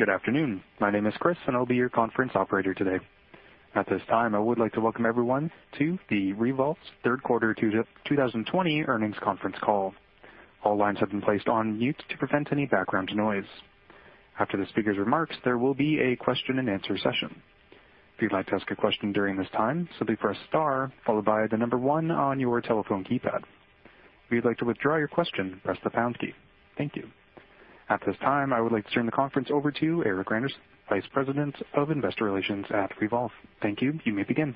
Good afternoon. My name is Chris, and I'll be your conference operator today. At this time, I would like to welcome everyone to the Revolve's third quarter 2020 earnings conference call. All lines have been placed on mute to prevent any background noise. After the speaker's remarks, there will be a question-and-answer session. If you'd like to ask a question during this time, simply press star followed by the number one on your telephone keypad. If you'd like to withdraw your question, press the pound key. Thank you. At this time, I would like to turn the conference over to Erik Randerson, Vice President of Investor Relations at Revolve. Thank you. You may begin.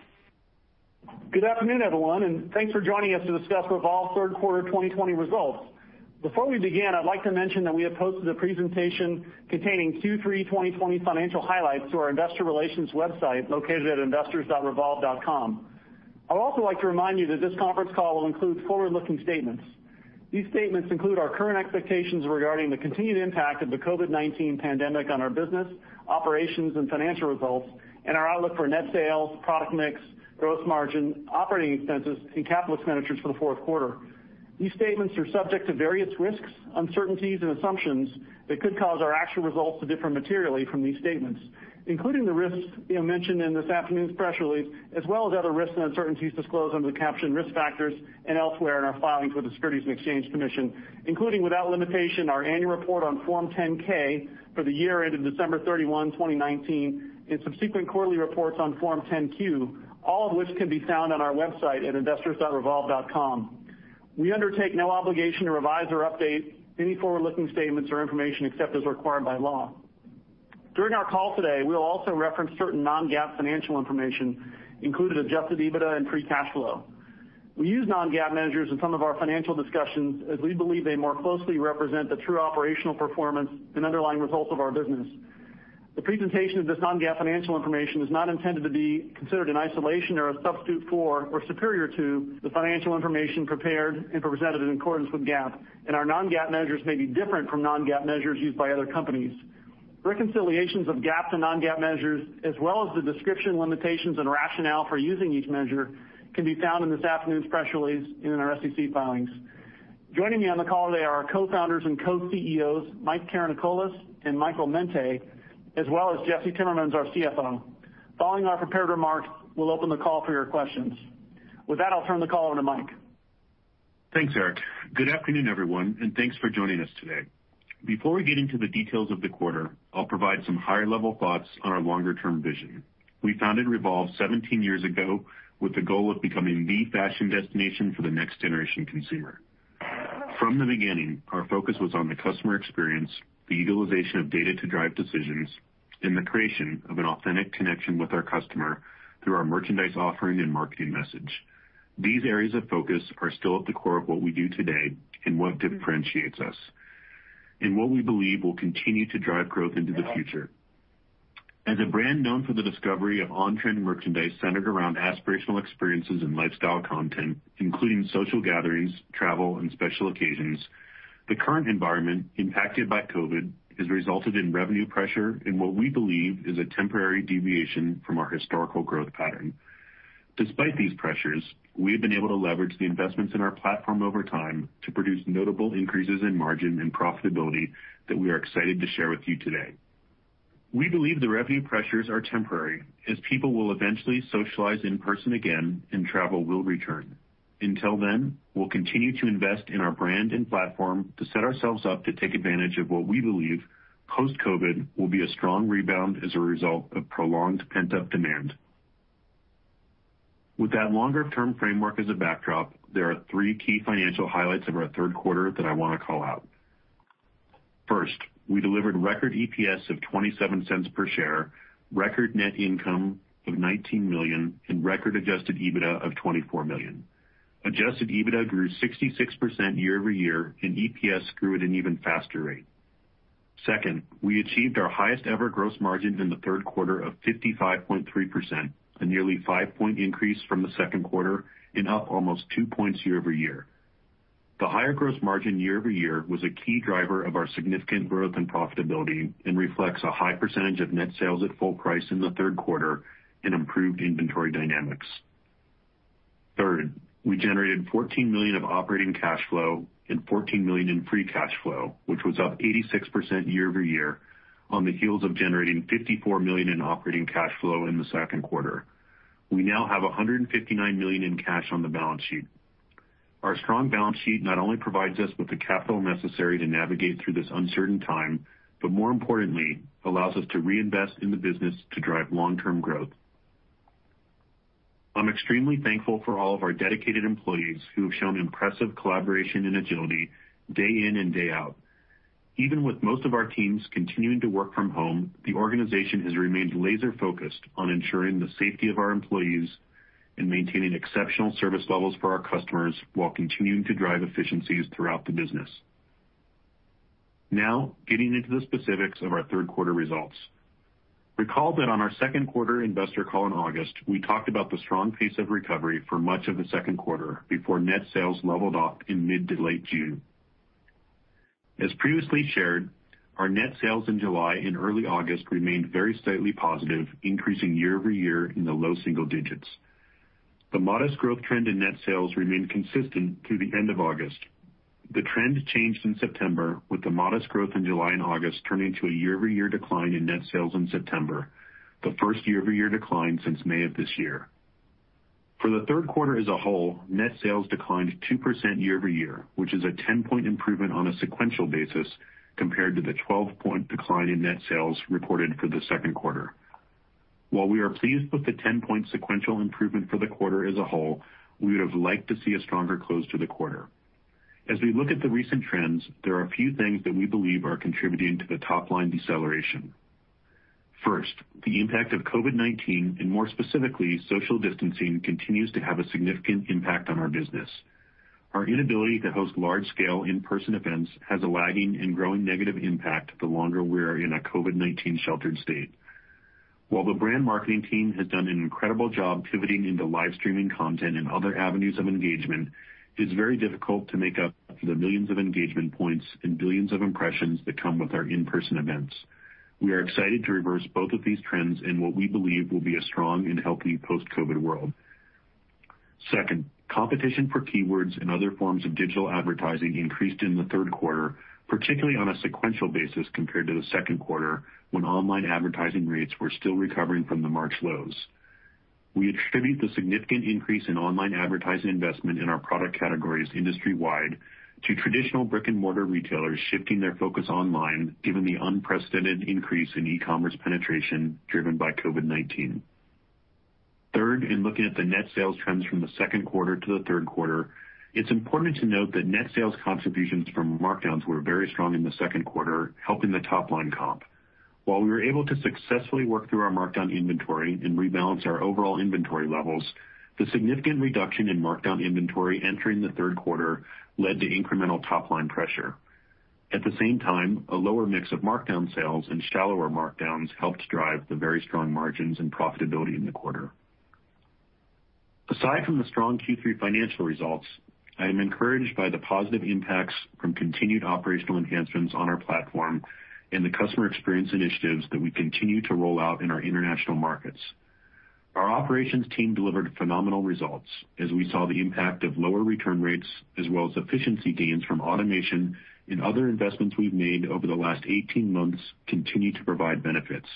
Good afternoon, everyone, and thanks for joining us to discuss Revolve's third quarter 2020 results. Before we begin, I'd like to mention that we have posted a presentation containing Q3 2020 financial highlights to our Investor Relations website located at investors.revolve.com. I would also like to remind you that this conference call will include forward-looking statements. These statements include our current expectations regarding the continued impact of the COVID-19 pandemic on our business, operations, and financial results, and our outlook for net sales, product mix, gross margin, operating expenses, and capital expenditures for the fourth quarter. These statements are subject to various risks, uncertainties, and assumptions that could cause our actual results to differ materially from these statements, including the risks mentioned in this afternoon's press release, as well as other risks and uncertainties disclosed under the captioned risk factors and elsewhere in our filings with the Securities and Exchange Commission, including, without limitation, our annual report on Form 10-K for the year ended December 31, 2019, and subsequent quarterly reports on Form 10-Q, all of which can be found on our website at investors.revolve.com. We undertake no obligation to revise or update any forward-looking statements or information except as required by law. During our call today, we'll also reference certain non-GAAP financial information, including Adjusted EBITDA and free cash flow. We use non-GAAP measures in some of our financial discussions as we believe they more closely represent the true operational performance and underlying results of our business. The presentation of this non-GAAP financial information is not intended to be considered in isolation or a substitute for or superior to the financial information prepared and presented in accordance with GAAP, and our non-GAAP measures may be different from non-GAAP measures used by other companies. Reconciliations of GAAP to non-GAAP measures, as well as the description, limitations, and rationale for using each measure, can be found in this afternoon's press release and in our SEC filings. Joining me on the call today are our Co-Founders and Co-CEOs, Mike Karanikolas and Michael Mente, as well as Jesse Timmermans, our CFO. Following our prepared remarks, we'll open the call for your questions. With that, I'll turn the call over to Mike. Thanks, Erik. Good afternoon, everyone, and thanks for joining us today. Before we get into the details of the quarter, I'll provide some higher-level thoughts on our longer-term vision. We founded Revolve 17 years ago with the goal of becoming the fashion destination for the next-generation consumer. From the beginning, our focus was on the customer experience, the utilization of data to drive decisions, and the creation of an authentic connection with our customer through our merchandise offering and marketing message. These areas of focus are still at the core of what we do today and what differentiates us and what we believe will continue to drive growth into the future. As a brand known for the discovery of on-trend merchandise centered around aspirational experiences and lifestyle content, including social gatherings, travel, and special occasions, the current environment impacted by COVID has resulted in revenue pressure and what we believe is a temporary deviation from our historical growth pattern. Despite these pressures, we have been able to leverage the investments in our platform over time to produce notable increases in margin and profitability that we are excited to share with you today. We believe the revenue pressures are temporary as people will eventually socialize in person again and travel will return. Until then, we'll continue to invest in our brand and platform to set ourselves up to take advantage of what we believe post-COVID will be a strong rebound as a result of prolonged pent-up demand. With that longer-term framework as a backdrop, there are three key financial highlights of our third quarter that I want to call out. First, we delivered record EPS of $0.27 per share, record net income of $19 million, and record Adjusted EBITDA of $24 million. Adjusted EBITDA grew 66% year-over-year, and EPS grew at an even faster rate. Second, we achieved our highest-ever gross margin in the third quarter of 55.3%, a nearly five-point increase from the second quarter and up almost two points year-over-year. The higher gross margin year-over-year was a key driver of our significant growth and profitability and reflects a high percentage of net sales at full price in the third quarter and improved inventory dynamics. Third, we generated $14 million of operating cash flow and $14 million in free cash flow, which was up 86% year-over-year on the heels of generating $54 million in operating cash flow in the second quarter. We now have $159 million in cash on the balance sheet. Our strong balance sheet not only provides us with the capital necessary to navigate through this uncertain time, but more importantly, allows us to reinvest in the business to drive long-term growth. I'm extremely thankful for all of our dedicated employees who have shown impressive collaboration and agility day in and day out. Even with most of our teams continuing to work from home, the organization has remained laser-focused on ensuring the safety of our employees and maintaining exceptional service levels for our customers while continuing to drive efficiencies throughout the business. Now, getting into the specifics of our third quarter results. Recall that on our second quarter investor call in August, we talked about the strong pace of recovery for much of the second quarter before net sales leveled off in mid to late June. As previously shared, our net sales in July and early August remained very slightly positive, increasing year-over-year in the low single digits. The modest growth trend in net sales remained consistent through the end of August. The trend changed in September, with the modest growth in July and August turning to a year-over-year decline in net sales in September, the first year-over-year decline since May of this year. For the third quarter as a whole, net sales declined 2% year-over-year, which is a 10-point improvement on a sequential basis compared to the 12-point decline in net sales reported for the second quarter. While we are pleased with the 10-point sequential improvement for the quarter as a whole, we would have liked to see a stronger close to the quarter. As we look at the recent trends, there are a few things that we believe are contributing to the top-line deceleration. First, the impact of COVID-19, and more specifically, social distancing, continues to have a significant impact on our business. Our inability to host large-scale in-person events has a lagging and growing negative impact the longer we are in a COVID-19 sheltered state. While the brand marketing team has done an incredible job pivoting into live-streaming content and other avenues of engagement, it's very difficult to make up for the millions of engagement points and billions of impressions that come with our in-person events. We are excited to reverse both of these trends in what we believe will be a strong and healthy post-COVID world. Second, competition for keywords and other forms of digital advertising increased in the third quarter, particularly on a sequential basis compared to the second quarter when online advertising rates were still recovering from the March lows. We attribute the significant increase in online advertising investment in our product categories industry-wide to traditional brick-and-mortar retailers shifting their focus online given the unprecedented increase in e-commerce penetration driven by COVID-19. Third, in looking at the net sales trends from the second quarter to the third quarter, it's important to note that net sales contributions from markdowns were very strong in the second quarter, helping the top-line comp. While we were able to successfully work through our markdown inventory and rebalance our overall inventory levels, the significant reduction in markdown inventory entering the third quarter led to incremental top-line pressure. At the same time, a lower mix of markdown sales and shallower markdowns helped drive the very strong margins and profitability in the quarter. Aside from the strong Q3 financial results, I am encouraged by the positive impacts from continued operational enhancements on our platform and the customer experience initiatives that we continue to roll out in our international markets. Our operations team delivered phenomenal results as we saw the impact of lower return rates as well as efficiency gains from automation and other investments we've made over the last 18 months continue to provide benefits.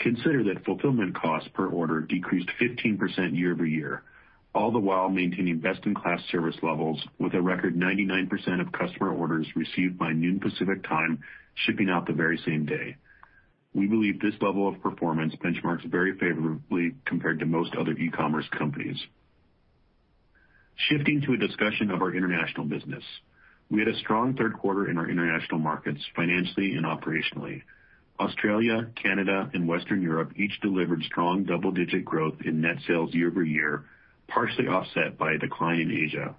Consider that fulfillment costs per order decreased 15% year-over-year, all the while maintaining best-in-class service levels with a record 99% of customer orders received by noon Pacific Time shipping out the very same day. We believe this level of performance benchmarks very favorably compared to most other e-commerce companies. Shifting to a discussion of our international business, we had a strong third quarter in our international markets financially and operationally. Australia, Canada, and Western Europe each delivered strong double-digit growth in net sales year-over-year, partially offset by a decline in Asia.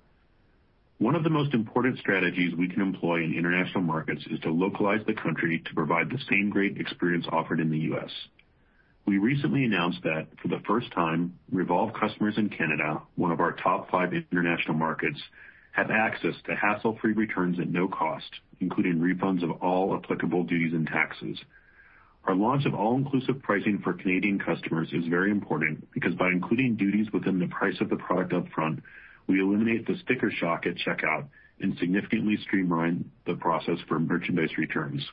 One of the most important strategies we can employ in international markets is to localize the country to provide the same great experience offered in the U.S. We recently announced that for the first time, Revolve customers in Canada, one of our top five international markets, have access to hassle-free returns at no cost, including refunds of all applicable duties and taxes. Our launch of all-inclusive pricing for Canadian customers is very important because by including duties within the price of the product upfront, we eliminate the sticker shock at checkout and significantly streamline the process for merchandise returns.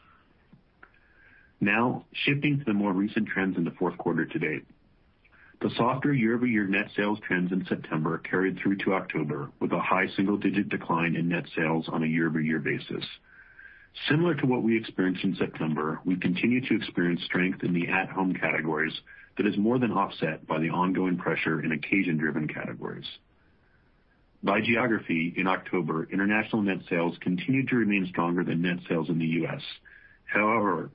Now, shifting to the more recent trends in the fourth quarter to date, the softer year-over-year net sales trends in September carried through to October with a high single-digit decline in net sales on a year-over-year basis. Similar to what we experienced in September, we continue to experience strength in the at-home categories that is more than offset by the ongoing pressure in occasion-driven categories. By geography, in October, international net sales continued to remain stronger than net sales in the U.S. However,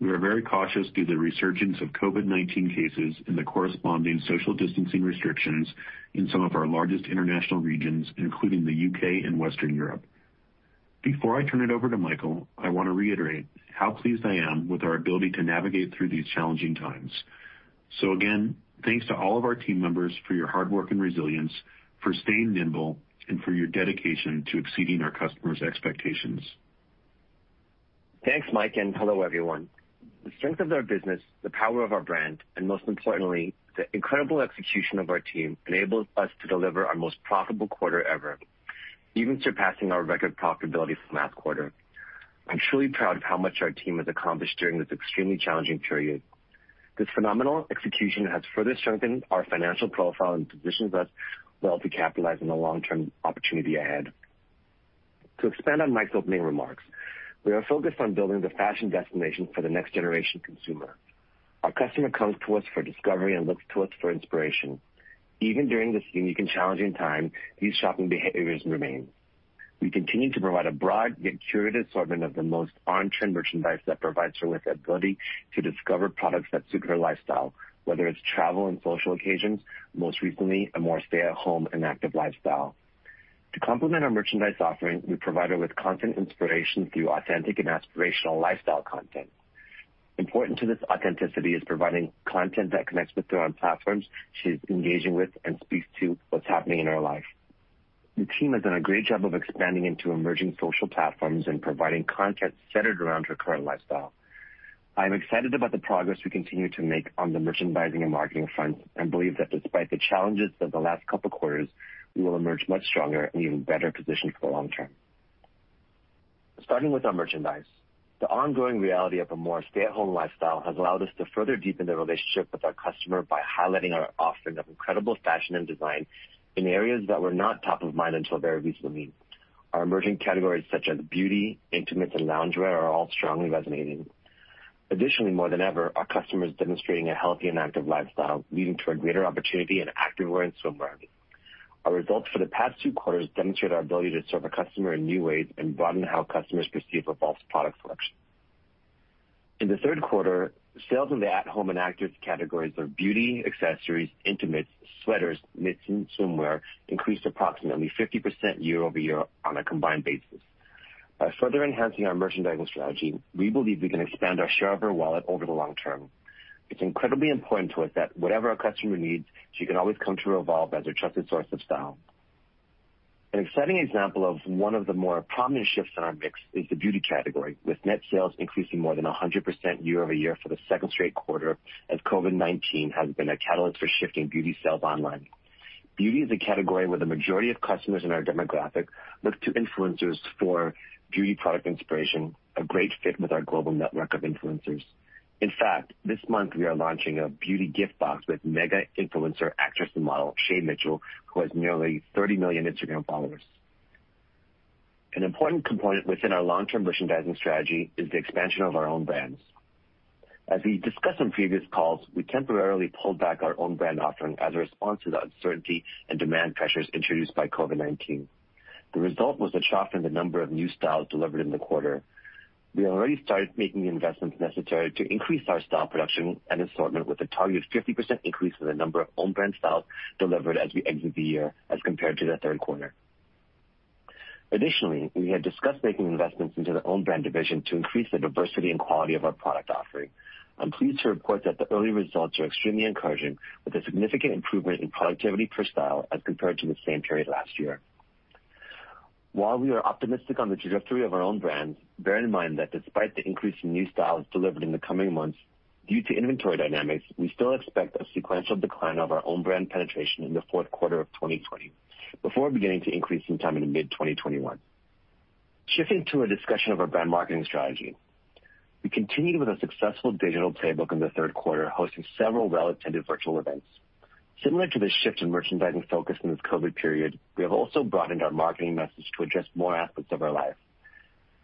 we are very cautious due to the resurgence of COVID-19 cases and the corresponding social distancing restrictions in some of our largest international regions, including the U.K. and Western Europe. Before I turn it over to Michael, I want to reiterate how pleased I am with our ability to navigate through these challenging times. So again, thanks to all of our team members for your hard work and resilience, for staying nimble, and for your dedication to exceeding our customers' expectations. Thanks, Mike, and hello, everyone. The strength of our business, the power of our brand, and most importantly, the incredible execution of our team enabled us to deliver our most profitable quarter ever, even surpassing our record profitability from last quarter. I'm truly proud of how much our team has accomplished during this extremely challenging period. This phenomenal execution has further strengthened our financial profile and positions us well to capitalize on the long-term opportunity ahead. To expand on Mike's opening remarks, we are focused on building the fashion destination for the next-generation consumer. Our customer comes to us for discovery and looks to us for inspiration. Even during this unique and challenging time, these shopping behaviors remain. We continue to provide a broad yet curated assortment of the most on-trend merchandise that provides her with the ability to discover products that suit her lifestyle, whether it's travel and social occasions, most recently, a more stay-at-home and active lifestyle. To complement our merchandise offering, we provide her with content inspiration through authentic and aspirational lifestyle content. Important to this authenticity is providing content that connects with her on platforms she's engaging with and speaks to what's happening in her life. The team has done a great job of expanding into emerging social platforms and providing content centered around her current lifestyle. I am excited about the progress we continue to make on the merchandising and marketing fronts and believe that despite the challenges of the last couple of quarters, we will emerge much stronger and in a better position for the long term. Starting with our merchandise, the ongoing reality of a more stay-at-home lifestyle has allowed us to further deepen the relationship with our customer by highlighting our offering of incredible fashion and design in areas that were not top of mind until very recently. Our emerging categories such as beauty, intimates, and loungewear are all strongly resonating. Additionally, more than ever, our customers are demonstrating a healthy and active lifestyle, leading to a greater opportunity in activewear and swimwear. Our results for the past two quarters demonstrate our ability to serve a customer in new ways and broaden how customers perceive Revolve's product selection. In the third quarter, sales in the at-home and active categories of beauty, accessories, intimates, sweaters, knits, and swimwear increased approximately 50% year-over-year on a combined basis. By further enhancing our merchandising strategy, we believe we can expand our share of her wallet over the long term. It's incredibly important to us that whatever our customer needs, she can always come to Revolve as a trusted source of style. An exciting example of one of the more prominent shifts in our mix is the beauty category, with net sales increasing more than 100% year-over-year for the second straight quarter as COVID-19 has been a catalyst for shifting beauty sales online. Beauty is a category where the majority of customers in our demographic look to influencers for beauty product inspiration, a great fit with our global network of influencers. In fact, this month, we are launching a beauty gift box with mega influencer actress and model Shay Mitchell, who has nearly 30 million Instagram followers. An important component within our long-term merchandising strategy is the expansion of our owned brands. As we discussed in previous calls, we temporarily pulled back our own brand offering as a response to the uncertainty and demand pressures introduced by COVID-19. The result was a drop in the number of new styles delivered in the quarter. We already started making the investments necessary to increase our style production and assortment with a target of 50% increase in the number of own-brand styles delivered as we exit the year as compared to the third quarter. Additionally, we had discussed making investments into the own-brand division to increase the diversity and quality of our product offering. I'm pleased to report that the early results are extremely encouraging, with a significant improvement in productivity per style as compared to the same period last year. While we are optimistic on the trajectory of our own brand, bear in mind that despite the increase in new styles delivered in the coming months, due to inventory dynamics, we still expect a sequential decline of our own brand penetration in the fourth quarter of 2020 before beginning to increase in time into mid-2021. Shifting to a discussion of our brand marketing strategy, we continued with a successful digital playbook in the third quarter, hosting several well-attended virtual events. Similar to the shift in merchandising focus in this COVID period, we have also broadened our marketing message to address more aspects of our life.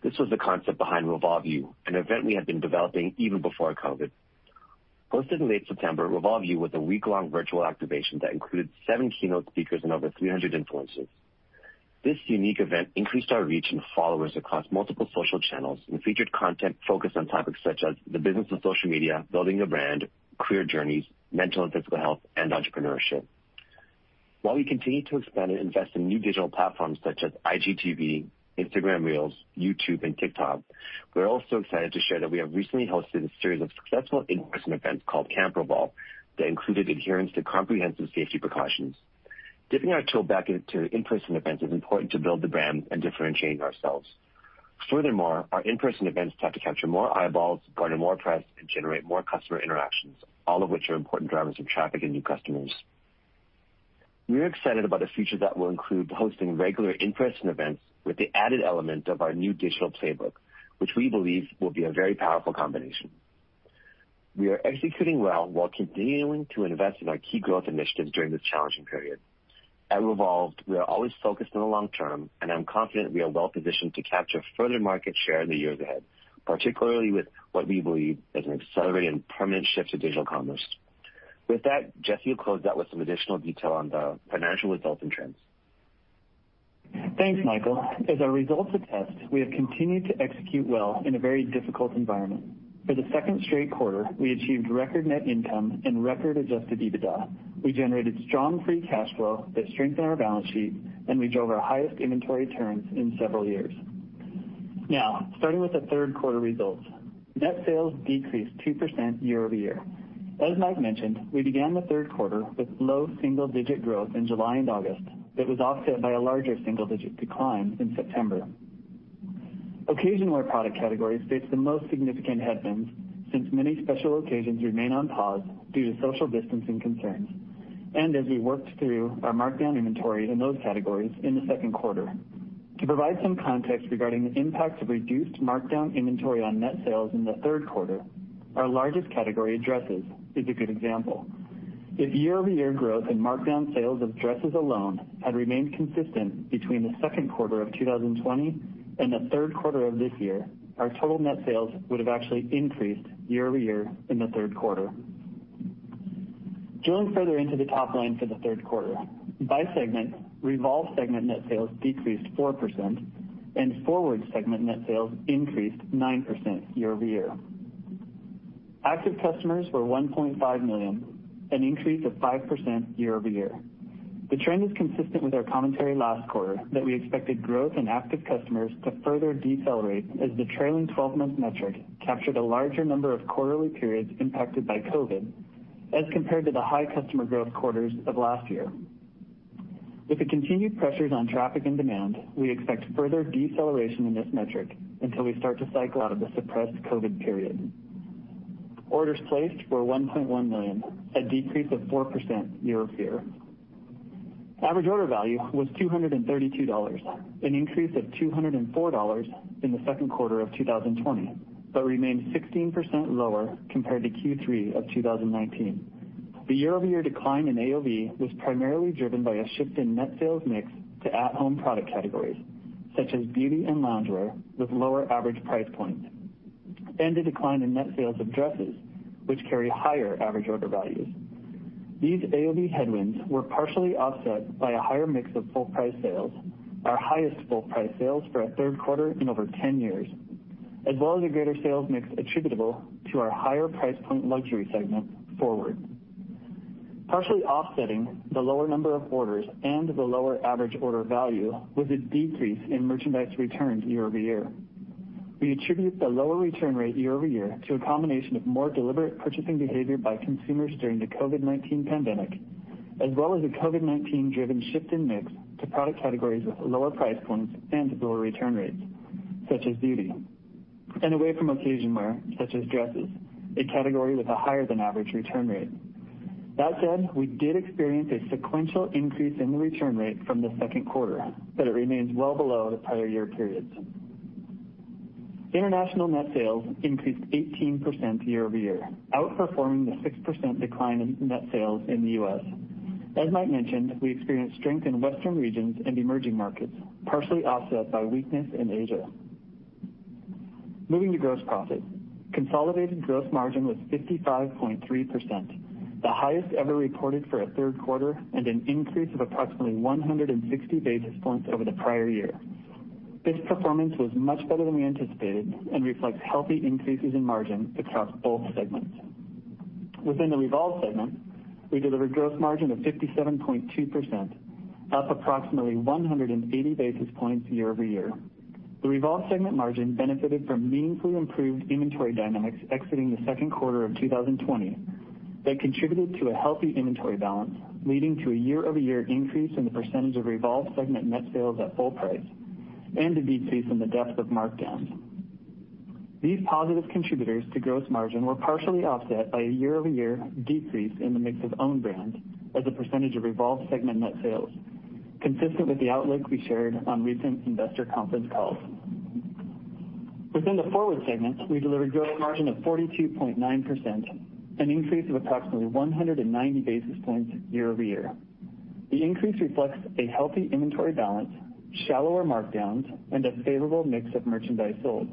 This was the concept behind Revolve U, an event we had been developing even before COVID. Hosted in late September, Revolve U was a week-long virtual activation that included seven keynote speakers and over 300 influencers. This unique event increased our reach and followers across multiple social channels and featured content focused on topics such as the business of social media, building your brand, career journeys, mental and physical health, and entrepreneurship. While we continue to expand and invest in new digital platforms such as IGTV, Instagram Reels, YouTube, and TikTok, we're also excited to share that we have recently hosted a series of successful in-person events called Camp Revolve that included adherence to comprehensive safety precautions. Dipping our toe back into in-person events is important to build the brand and differentiate ourselves. Furthermore, our in-person events have to capture more eyeballs, garner more press, and generate more customer interactions, all of which are important drivers of traffic and new customers. We are excited about a future that will include hosting regular in-person events with the added element of our new digital playbook, which we believe will be a very powerful combination. We are executing well while continuing to invest in our key growth initiatives during this challenging period. At Revolve, we are always focused on the long term, and I'm confident we are well-positioned to capture further market share in the years ahead, particularly with what we believe is an accelerated and permanent shift to digital commerce. With that, Jesse will close out with some additional detail on the financial results and trends. Thanks, Michael. As a result of tests, we have continued to execute well in a very difficult environment. For the second straight quarter, we achieved record net income and record Adjusted EBITDA. We generated strong free cash flow that strengthened our balance sheet, and we drove our highest inventory turns in several years. Now, starting with the third quarter results, net sales decreased 2% year- over-year. As Mike mentioned, we began the third quarter with low single-digit growth in July and August that was offset by a larger single-digit decline in September. Occasion wear product category faced the most significant headwinds since many special occasions remain on pause due to social distancing concerns, and as we worked through our markdown inventory in those categories in the second quarter. To provide some context regarding the impact of reduced markdown inventory on net sales in the third quarter, our largest category, dresses, is a good example. If year-over-year growth in markdown sales of dresses alone had remained consistent between the second quarter of 2020 and the third quarter of this year, our total net sales would have actually increased year-over-year in the third quarter. Drilling further into the top line for the third quarter, by segment, Revolve segment net sales decreased 4%, and Forward segment net sales increased 9% year-over-year. Active customers were 1.5 million, an increase of 5% year-over-year. The trend is consistent with our commentary last quarter that we expected growth in active customers to further decelerate as the trailing 12-month metric captured a larger number of quarterly periods impacted by COVID as compared to the high customer growth quarters of last year. With the continued pressures on traffic and demand, we expect further deceleration in this metric until we start to cycle out of the suppressed COVID period. Orders placed were 1.1 million, a decrease of 4% year-over-year. Average order value was $232, an increase of $204 in the second quarter of 2020, but remained 16% lower compared to Q3 of 2019. The year-over-year decline in AOV was primarily driven by a shift in net sales mix to at-home product categories such as beauty and loungewear with lower average price points and a decline in net sales of dresses, which carry higher average order values. These AOV headwinds were partially offset by a higher mix of full-price sales, our highest full-price sales for a third quarter in over 10 years, as well as a greater sales mix attributable to our higher price point luxury segment, Forward. Partially offsetting the lower number of orders and the lower average order value was a decrease in merchandise returns year-over-year. We attribute the lower return rate year-over-year to a combination of more deliberate purchasing behavior by consumers during the COVID-19 pandemic, as well as a COVID-19-driven shift in mix to product categories with lower price points and lower return rates, such as beauty and away from occasion wear, such as dresses, a category with a higher-than-average return rate. That said, we did experience a sequential increase in the return rate from the second quarter, but it remains well below the prior year periods. International net sales increased 18% year-over-year, outperforming the 6% decline in net sales in the U.S. As Mike mentioned, we experienced strength in Western regions and emerging markets, partially offset by weakness in Asia. Moving to gross profit, consolidated gross margin was 55.3%, the highest ever reported for a third quarter and an increase of approximately 160 basis points over the prior year. This performance was much better than we anticipated and reflects healthy increases in margin across both segments. Within the Revolve segment, we delivered gross margin of 57.2%, up approximately 180 basis points year-over-year. The Revolve segment margin benefited from meaningfully improved inventory dynamics exiting the second quarter of 2020 that contributed to a healthy inventory balance, leading to a year-over-year increase in the percentage of Revolve segment net sales at full price and a decrease in the depth of markdowns. These positive contributors to gross margin were partially offset by a year-over-year decrease in the mix of own brands as a percentage of Revolve segment net sales, consistent with the outlook we shared on recent investor conference calls. Within the Forward segment, we delivered gross margin of 42.9%, an increase of approximately 190 basis points year-over-year. The increase reflects a healthy inventory balance, shallower markdowns, and a favorable mix of merchandise sold.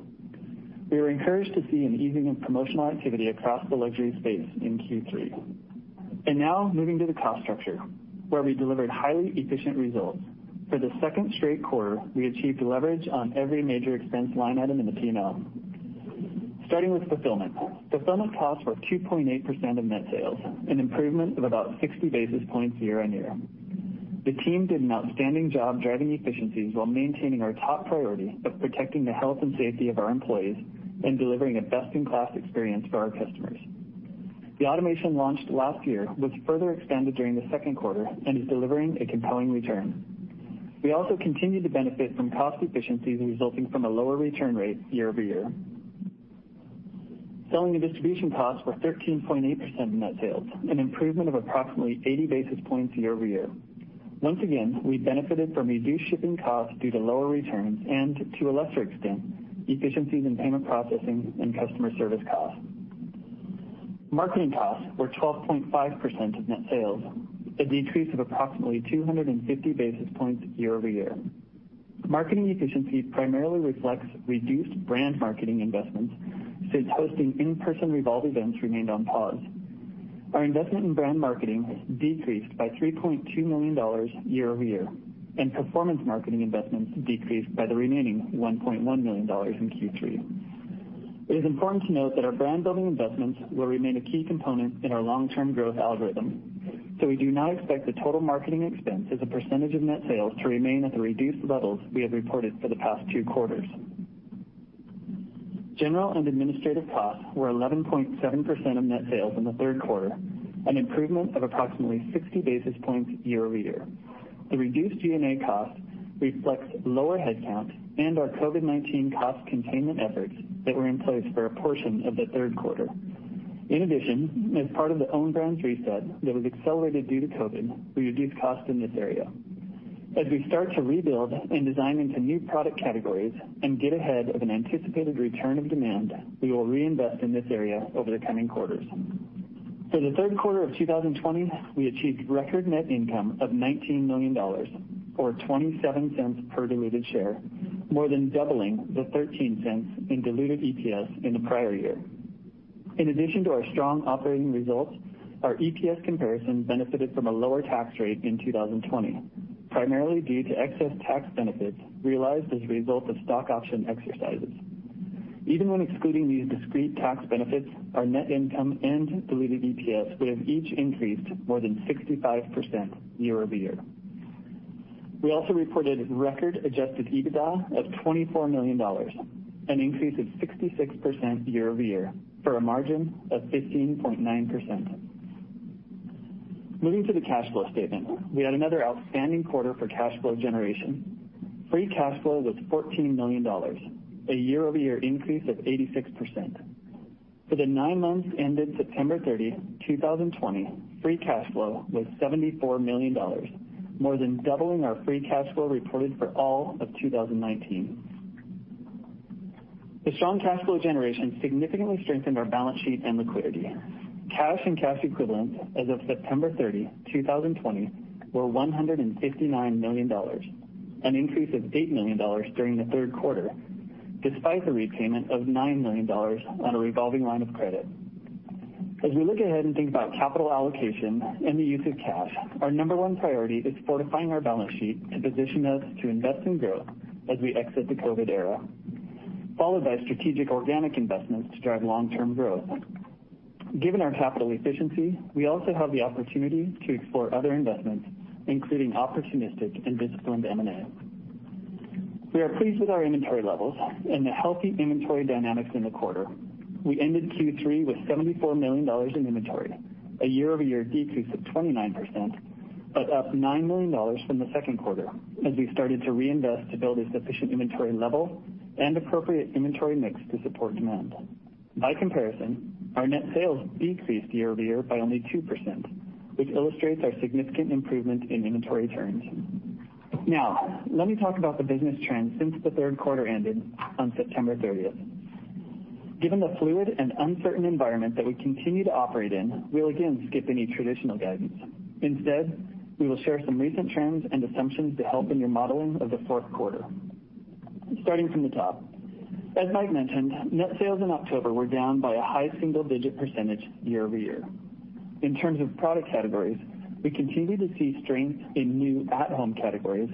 We were encouraged to see an easing of promotional activity across the luxury space in Q3. And now, moving to the cost structure, where we delivered highly efficient results. For the second straight quarter, we achieved leverage on every major expense line item in the P&L. Starting with fulfillment, fulfillment costs were 2.8% of net sales, an improvement of about 60 basis points year-on-year. The team did an outstanding job driving efficiencies while maintaining our top priority of protecting the health and safety of our employees and delivering a best-in-class experience for our customers. The automation launched last year was further expanded during the second quarter and is delivering a compelling return. We also continue to benefit from cost efficiencies resulting from a lower return rate year-over-year. Selling and distribution costs were 13.8% of net sales, an improvement of approximately 80 basis points year-over-year. Once again, we benefited from reduced shipping costs due to lower returns and, to a lesser extent, efficiencies in payment processing and customer service costs. Marketing costs were 12.5% of net sales, a decrease of approximately 250 basis points year-over-year. Marketing efficiency primarily reflects reduced brand marketing investments since hosting in-person Revolve events remained on pause. Our investment in brand marketing has decreased by $3.2 million year-over-year, and performance marketing investments decreased by the remaining $1.1 million in Q3. It is important to note that our brand-building investments will remain a key component in our long-term growth algorithm, so we do not expect the total marketing expense as a percentage of net sales to remain at the reduced levels we have reported for the past two quarters. General and administrative costs were 11.7% of net sales in the third quarter, an improvement of approximately 60 basis points year-over-year. The reduced G&A cost reflects lower headcount and our COVID-19 cost containment efforts that were in place for a portion of the third quarter. In addition, as part of the own brands reset that was accelerated due to COVID, we reduced costs in this area. As we start to rebuild and design into new product categories and get ahead of an anticipated return of demand, we will reinvest in this area over the coming quarters. For the third quarter of 2020, we achieved record net income of $19 million, or $0.27 per diluted share, more than doubling the $0.13 in diluted EPS in the prior year. In addition to our strong operating results, our EPS comparison benefited from a lower tax rate in 2020, primarily due to excess tax benefits realized as a result of stock option exercises. Even when excluding these discrete tax benefits, our net income and diluted EPS would have each increased more than 65% year-over-year. We also reported record Adjusted EBITDA of $24 million, an increase of 66% year-over-year for a margin of 15.9%. Moving to the cash flow statement, we had another outstanding quarter for cash flow generation. Free cash flow was $14 million, a year-over-year increase of 86%. For the nine months ended September 30, 2020, free cash flow was $74 million, more than doubling our free cash flow reported for all of 2019. The strong cash flow generation significantly strengthened our balance sheet and liquidity. Cash and cash equivalents as of September 30, 2020, were $159 million, an increase of $8 million during the third quarter, despite the repayment of $9 million on a revolving line of credit. As we look ahead and think about capital allocation and the use of cash, our number one priority is fortifying our balance sheet to position us to invest in growth as we exit the COVID era, followed by strategic organic investments to drive long-term growth. Given our capital efficiency, we also have the opportunity to explore other investments, including opportunistic and disciplined M&A. We are pleased with our inventory levels and the healthy inventory dynamics in the quarter. We ended Q3 with $74 million in inventory, a year-over-year decrease of 29%, but up $9 million from the second quarter as we started to reinvest to build a sufficient inventory level and appropriate inventory mix to support demand. By comparison, our net sales decreased year-over-year by only 2%, which illustrates our significant improvement in inventory turns. Now, let me talk about the business trends since the third quarter ended on September 30. Given the fluid and uncertain environment that we continue to operate in, we'll again skip any traditional guidance. Instead, we will share some recent trends and assumptions to help in your modeling of the fourth quarter. Starting from the top, as Mike mentioned, net sales in October were down by a high single-digit percentage year-over-year. In terms of product categories, we continue to see strength in new at-home categories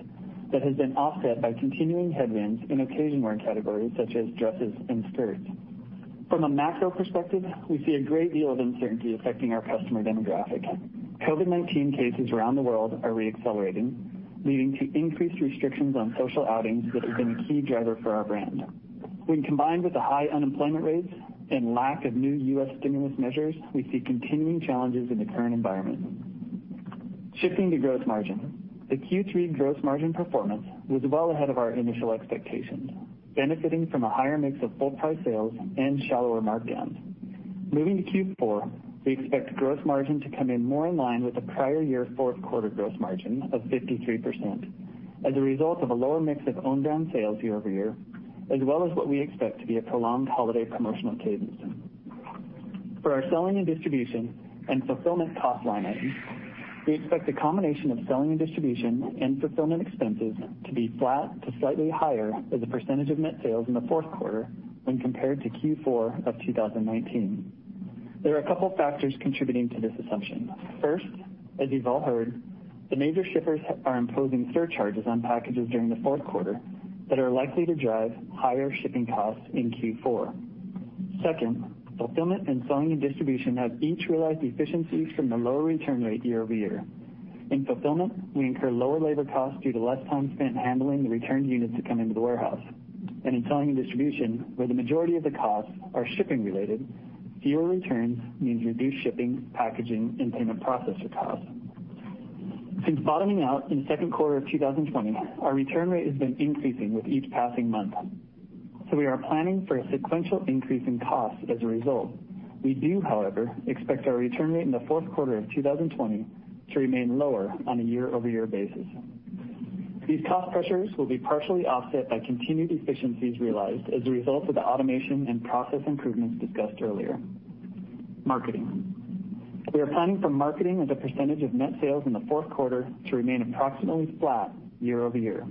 that has been offset by continuing headwinds in occasion wear categories such as dresses and skirts. From a macro perspective, we see a great deal of uncertainty affecting our customer demographic. COVID-19 cases around the world are reaccelerating, leading to increased restrictions on social outings that have been a key driver for our brand. When combined with the high unemployment rates and lack of new U.S. stimulus measures, we see continuing challenges in the current environment. Shifting to gross margin, the Q3 gross margin performance was well ahead of our initial expectations, benefiting from a higher mix of full-price sales and shallower markdowns. Moving to Q4, we expect gross margin to come in more in line with the prior year fourth quarter gross margin of 53% as a result of a lower mix of own brand sales year-over-year, as well as what we expect to be a prolonged holiday promotional cadence. For our selling and distribution and fulfillment cost line items, we expect the combination of selling and distribution and fulfillment expenses to be flat to slightly higher as a percentage of net sales in the fourth quarter when compared to Q4 of 2019. There are a couple of factors contributing to this assumption. First, as you've all heard, the major shippers are imposing surcharges on packages during the fourth quarter that are likely to drive higher shipping costs in Q4. Second, fulfillment and selling and distribution have each realized efficiencies from the lower return rate year-over-year. In fulfillment, we incur lower labor costs due to less time spent handling the returned units to come into the warehouse. And in selling and distribution, where the majority of the costs are shipping-related, fewer returns mean reduced shipping, packaging, and payment processor costs. Since bottoming out in the second quarter of 2020, our return rate has been increasing with each passing month, so we are planning for a sequential increase in costs as a result. We do, however, expect our return rate in the fourth quarter of 2020 to remain lower on a year-over-year basis. These cost pressures will be partially offset by continued efficiencies realized as a result of the automation and process improvements discussed earlier. In marketing, we are planning for marketing as a percentage of net sales in the fourth quarter to remain approximately flat year-over-year.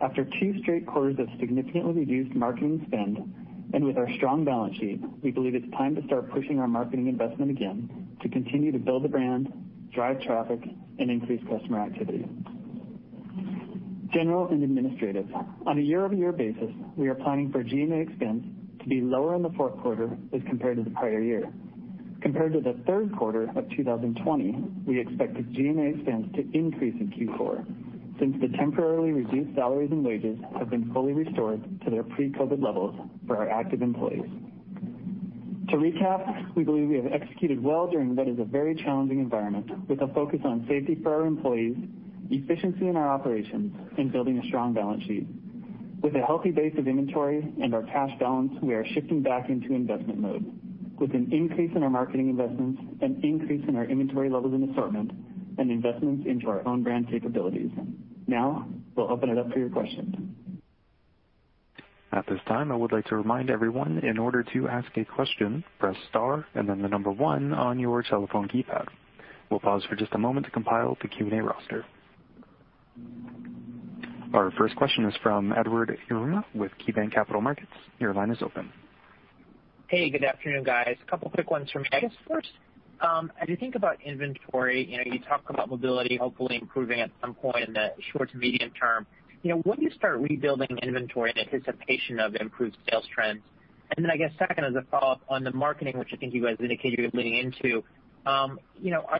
After two straight quarters of significantly reduced marketing spend and with our strong balance sheet, we believe it's time to start pushing our marketing investment again to continue to build the brand, drive traffic, and increase customer activity. General and administrative, on a year-over-year basis, we are planning for G&A expense to be lower in the fourth quarter as compared to the prior year. Compared to the third quarter of 2020, we expect the G&A expense to increase in Q4 since the temporarily reduced salaries and wages have been fully restored to their pre-COVID levels for our active employees. To recap, we believe we have executed well during what is a very challenging environment with a focus on safety for our employees, efficiency in our operations, and building a strong balance sheet. With a healthy base of inventory and our cash balance, we are shifting back into investment mode with an increase in our marketing investments, an increase in our inventory levels and assortment, and investments into our own brand capabilities. Now, we'll open it up for your questions. At this time, I would like to remind everyone, in order to ask a question, press star and then the number one on your telephone keypad. We'll pause for just a moment to compile the Q&A roster. Our first question is from Edward Yruma with KeyBanc Capital Markets. Your line is open. Hey, good afternoon, guys. A couple of quick ones from Ed Yruma first. As you think about inventory, you talk about mobility hopefully improving at some point in the short to medium term. When do you start rebuilding inventory in anticipation of improved sales trends? And then I guess second, as a follow-up on the marketing, which I think you guys indicated you're leaning into, are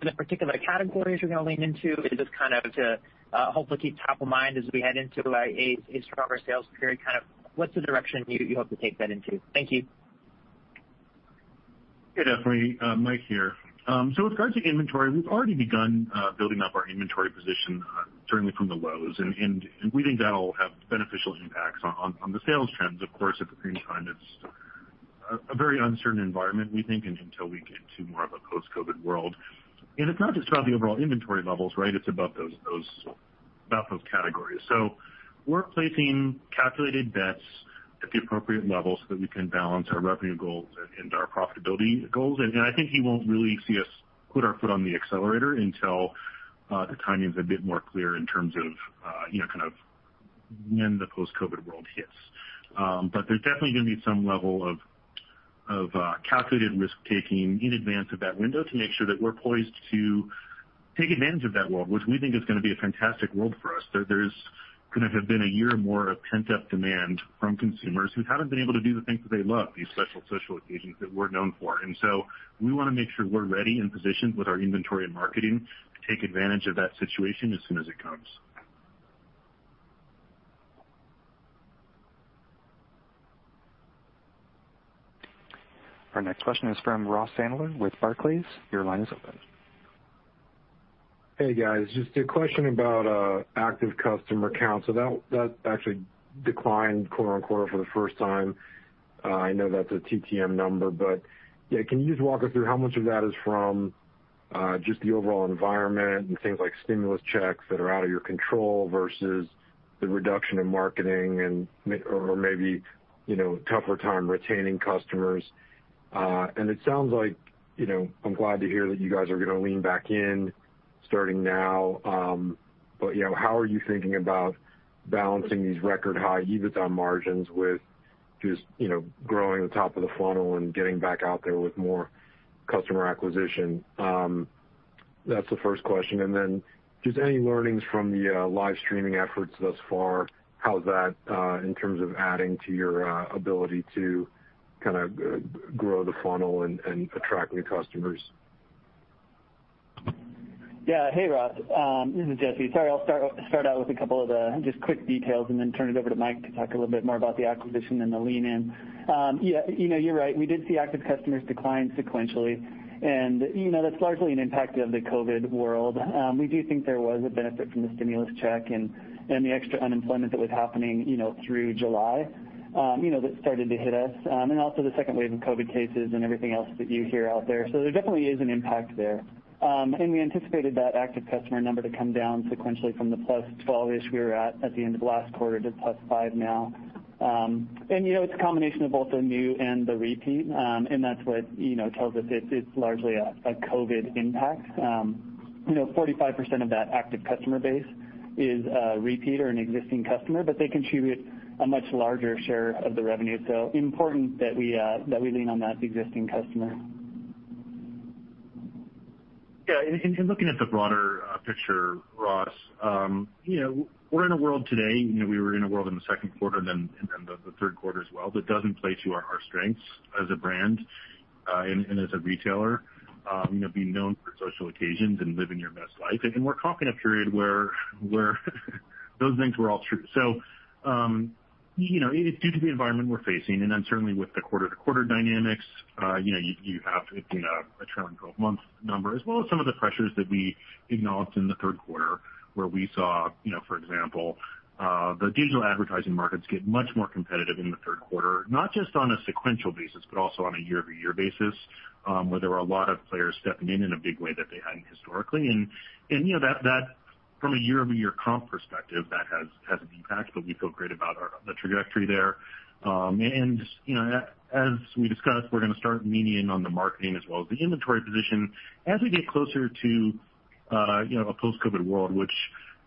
there particular categories you're going to lean into? Is this kind of to hopefully keep top of mind as we head into a stronger sales period? Kind of what's the direction you hope to take that into? Thank you. Hey, definitely. Mike here. So with regards to inventory, we've already begun building up our inventory position certainly from the lows, and we think that'll have beneficial impacts on the sales trends. Of course, at the same time, it's a very uncertain environment, we think, until we get to more of a post-COVID world. And it's not just about the overall inventory levels, right? It's about those categories. So we're placing calculated bets at the appropriate levels so that we can balance our revenue goals and our profitability goals. And I think you won't really see us put our foot on the accelerator until the timing is a bit more clear in terms of kind of when the post-COVID world hits. But there's definitely going to be some level of calculated risk-taking in advance of that window to make sure that we're poised to take advantage of that world, which we think is going to be a fantastic world for us. There's going to have been a year more of pent-up demand from consumers who haven't been able to do the things that they love, these special social occasions that we're known for. And so we want to make sure we're ready and positioned with our inventory and marketing to take advantage of that situation as soon as it comes. Our next question is from Ross Sandler with Barclays. Your line is open. Hey, guys. Just a question about active customer count. So that actually declined quarter on quarter for the first time. I know that's a TTM number, but yeah, can you just walk us through how much of that is from just the overall environment and things like stimulus checks that are out of your control versus the reduction in marketing or maybe tougher time retaining customers? And it sounds like I'm glad to hear that you guys are going to lean back in starting now. But how are you thinking about balancing these record high EBITDA margins with just growing the top of the funnel and getting back out there with more customer acquisition? That's the first question. And then just any learnings from the live streaming efforts thus far? How's that in terms of adding to your ability to kind of grow the funnel and attract new customers? Yeah. Hey, Ross. This is Jesse. Sorry, I'll start out with a couple of just quick details and then turn it over to Mike to talk a little bit more about the acquisition and the lean-in. Yeah, you're right. We did see active customers decline sequentially, and that's largely an impact of the COVID world. We do think there was a benefit from the stimulus check and the extra unemployment that was happening through July that started to hit us, and also the second wave of COVID cases and everything else that you hear out there. So there definitely is an impact there, and we anticipated that active customer number to come down sequentially from the plus 12-ish we were at at the end of last quarter to plus 5 now. It's a combination of both the new and the repeat, and that's what tells us it's largely a COVID impact. 45% of that active customer base is a repeat or an existing customer, but they contribute a much larger share of the revenue. So important that we lean on that existing customer. Yeah. And looking at the broader picture, Ross, we're in a world today. We were in a world in the second quarter and then the third quarter as well. That doesn't play to our strengths as a brand and as a retailer, being known for social occasions and living your best life. And we're talking a period where those things were all true. So it's due to the environment we're facing and then certainly with the quarter-to-quarter dynamics, you have a challenging 12-month number as well as some of the pressures that we acknowledged in the third quarter where we saw, for example, the digital advertising markets get much more competitive in the third quarter, not just on a sequential basis, but also on a year-over-year basis where there were a lot of players stepping in in a big way that they hadn't historically, and from a year-over-year comp perspective, that has an impact. But we feel great about the trajectory there, and as we discussed, we're going to start leaning in on the marketing as well as the inventory position as we get closer to a post-COVID world, which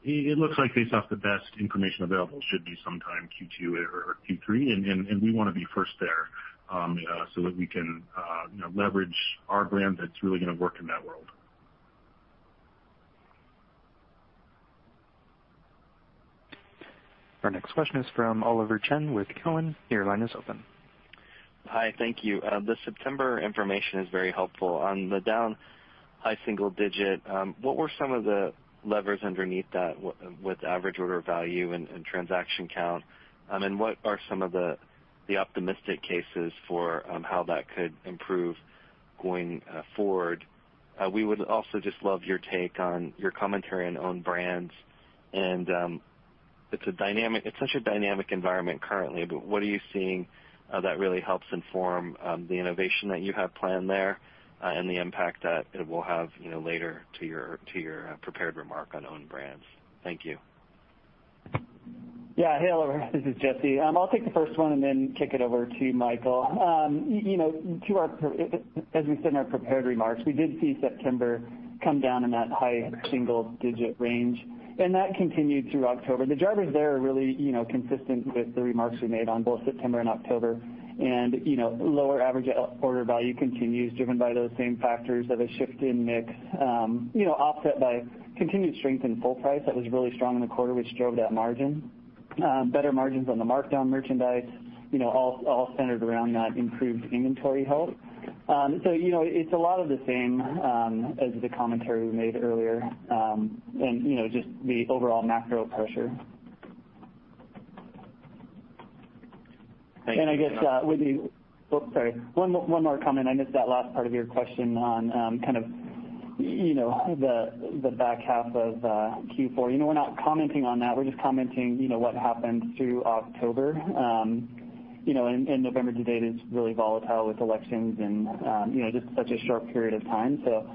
it looks like based off the best information available should be sometime Q2 or Q3. And we want to be first there so that we can leverage our brand that's really going to work in that world. Our next question is from Oliver Chen with Cowen. Your line is open. Hi. Thank you. The September information is very helpful. On the down high single-digit, what were some of the levers underneath that with average order value and transaction count? And what are some of the optimistic cases for how that could improve going forward? We would also just love your take on your commentary on own brands. And it's such a dynamic environment currently, but what are you seeing that really helps inform the innovation that you have planned there and the impact that it will have later to your prepared remark on own brands? Thank you. Yeah. Hey, Oliver. This is Jesse. I'll take the first one and then kick it over to Michael. As we said in our prepared remarks, we did see September come down in that high single-digit range, and that continued through October. The drivers there are really consistent with the remarks we made on both September and October, and lower average order value continues driven by those same factors of a shift in mix, offset by continued strength in full price that was really strong in the quarter, which drove that margin. Better margins on the markdown merchandise, all centered around that improved inventory health, so it's a lot of the same as the commentary we made earlier and just the overall macro pressure. I guess with the, oh, sorry. One more comment. I missed that last part of your question on kind of the back half of Q4. We're not commenting on that. We're just commenting what happened through October. November today is really volatile with elections and just such a short period of time. So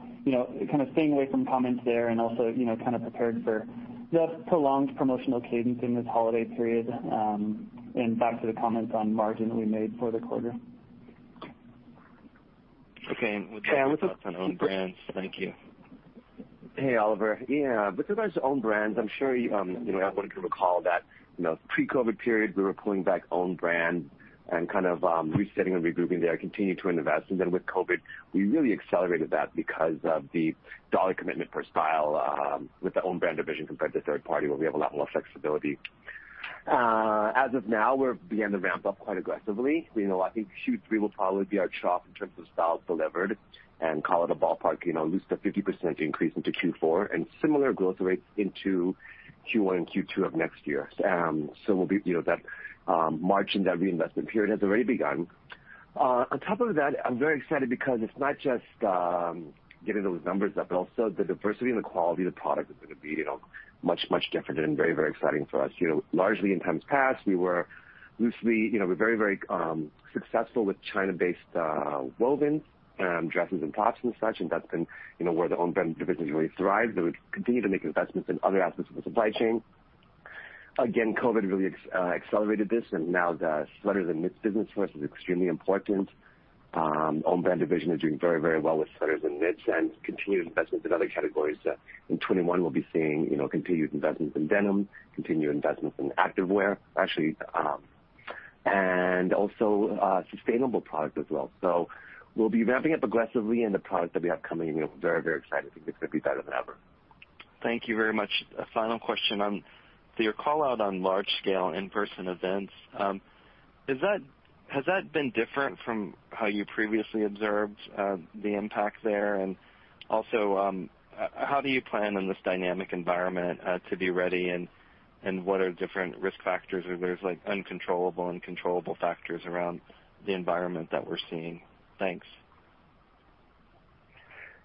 kind of staying away from comments there and also kind of prepared for the prolonged promotional cadence in this holiday period and back to the comments on margin that we made for the quarter. Okay. And with regards to own brands, thank you. Hey, Oliver. Yeah. With regards to own brands, I'm sure you want to recall that pre-COVID period, we were pulling back own brand and kind of resetting and regrouping there, continuing to invest. And then with COVID, we really accelerated that because of the dollar commitment per style with the own brand division compared to third party, where we have a lot more flexibility. As of now, we're beginning to ramp up quite aggressively. I think Q3 will probably be our choppiest in terms of styles delivered and call it a ballpark of a 50% increase into Q4 and similar growth rates into Q1 and Q2 of next year. We'll see that margin. The reinvestment period has already begun. On top of that, I'm very excited because it's not just getting those numbers up, but also the diversity and the quality of the product is going to be much, much different and very, very exciting for us. Largely in times past, we're very, very successful with China-based woven dresses and tops and such. That's been where the own brand division has really thrived. We continue to make investments in other aspects of the supply chain. Again, COVID really accelerated this. Now the sweaters and knits business for us is extremely important. Own brands division is doing very, very well with sweaters and knits and continued investments in other categories. In 2021, we'll be seeing continued investments in denim, continued investments in activewear, actually, and also sustainable product as well. So we'll be ramping up aggressively in the product that we have coming. We're very, very excited. I think it's going to be better than ever. Thank you very much. A final question on your call-out on large-scale in-person events. Has that been different from how you previously observed the impact there? And also, how do you plan on this dynamic environment to be ready? And what are different risk factors? Are there uncontrollable and controllable factors around the environment that we're seeing? Thanks.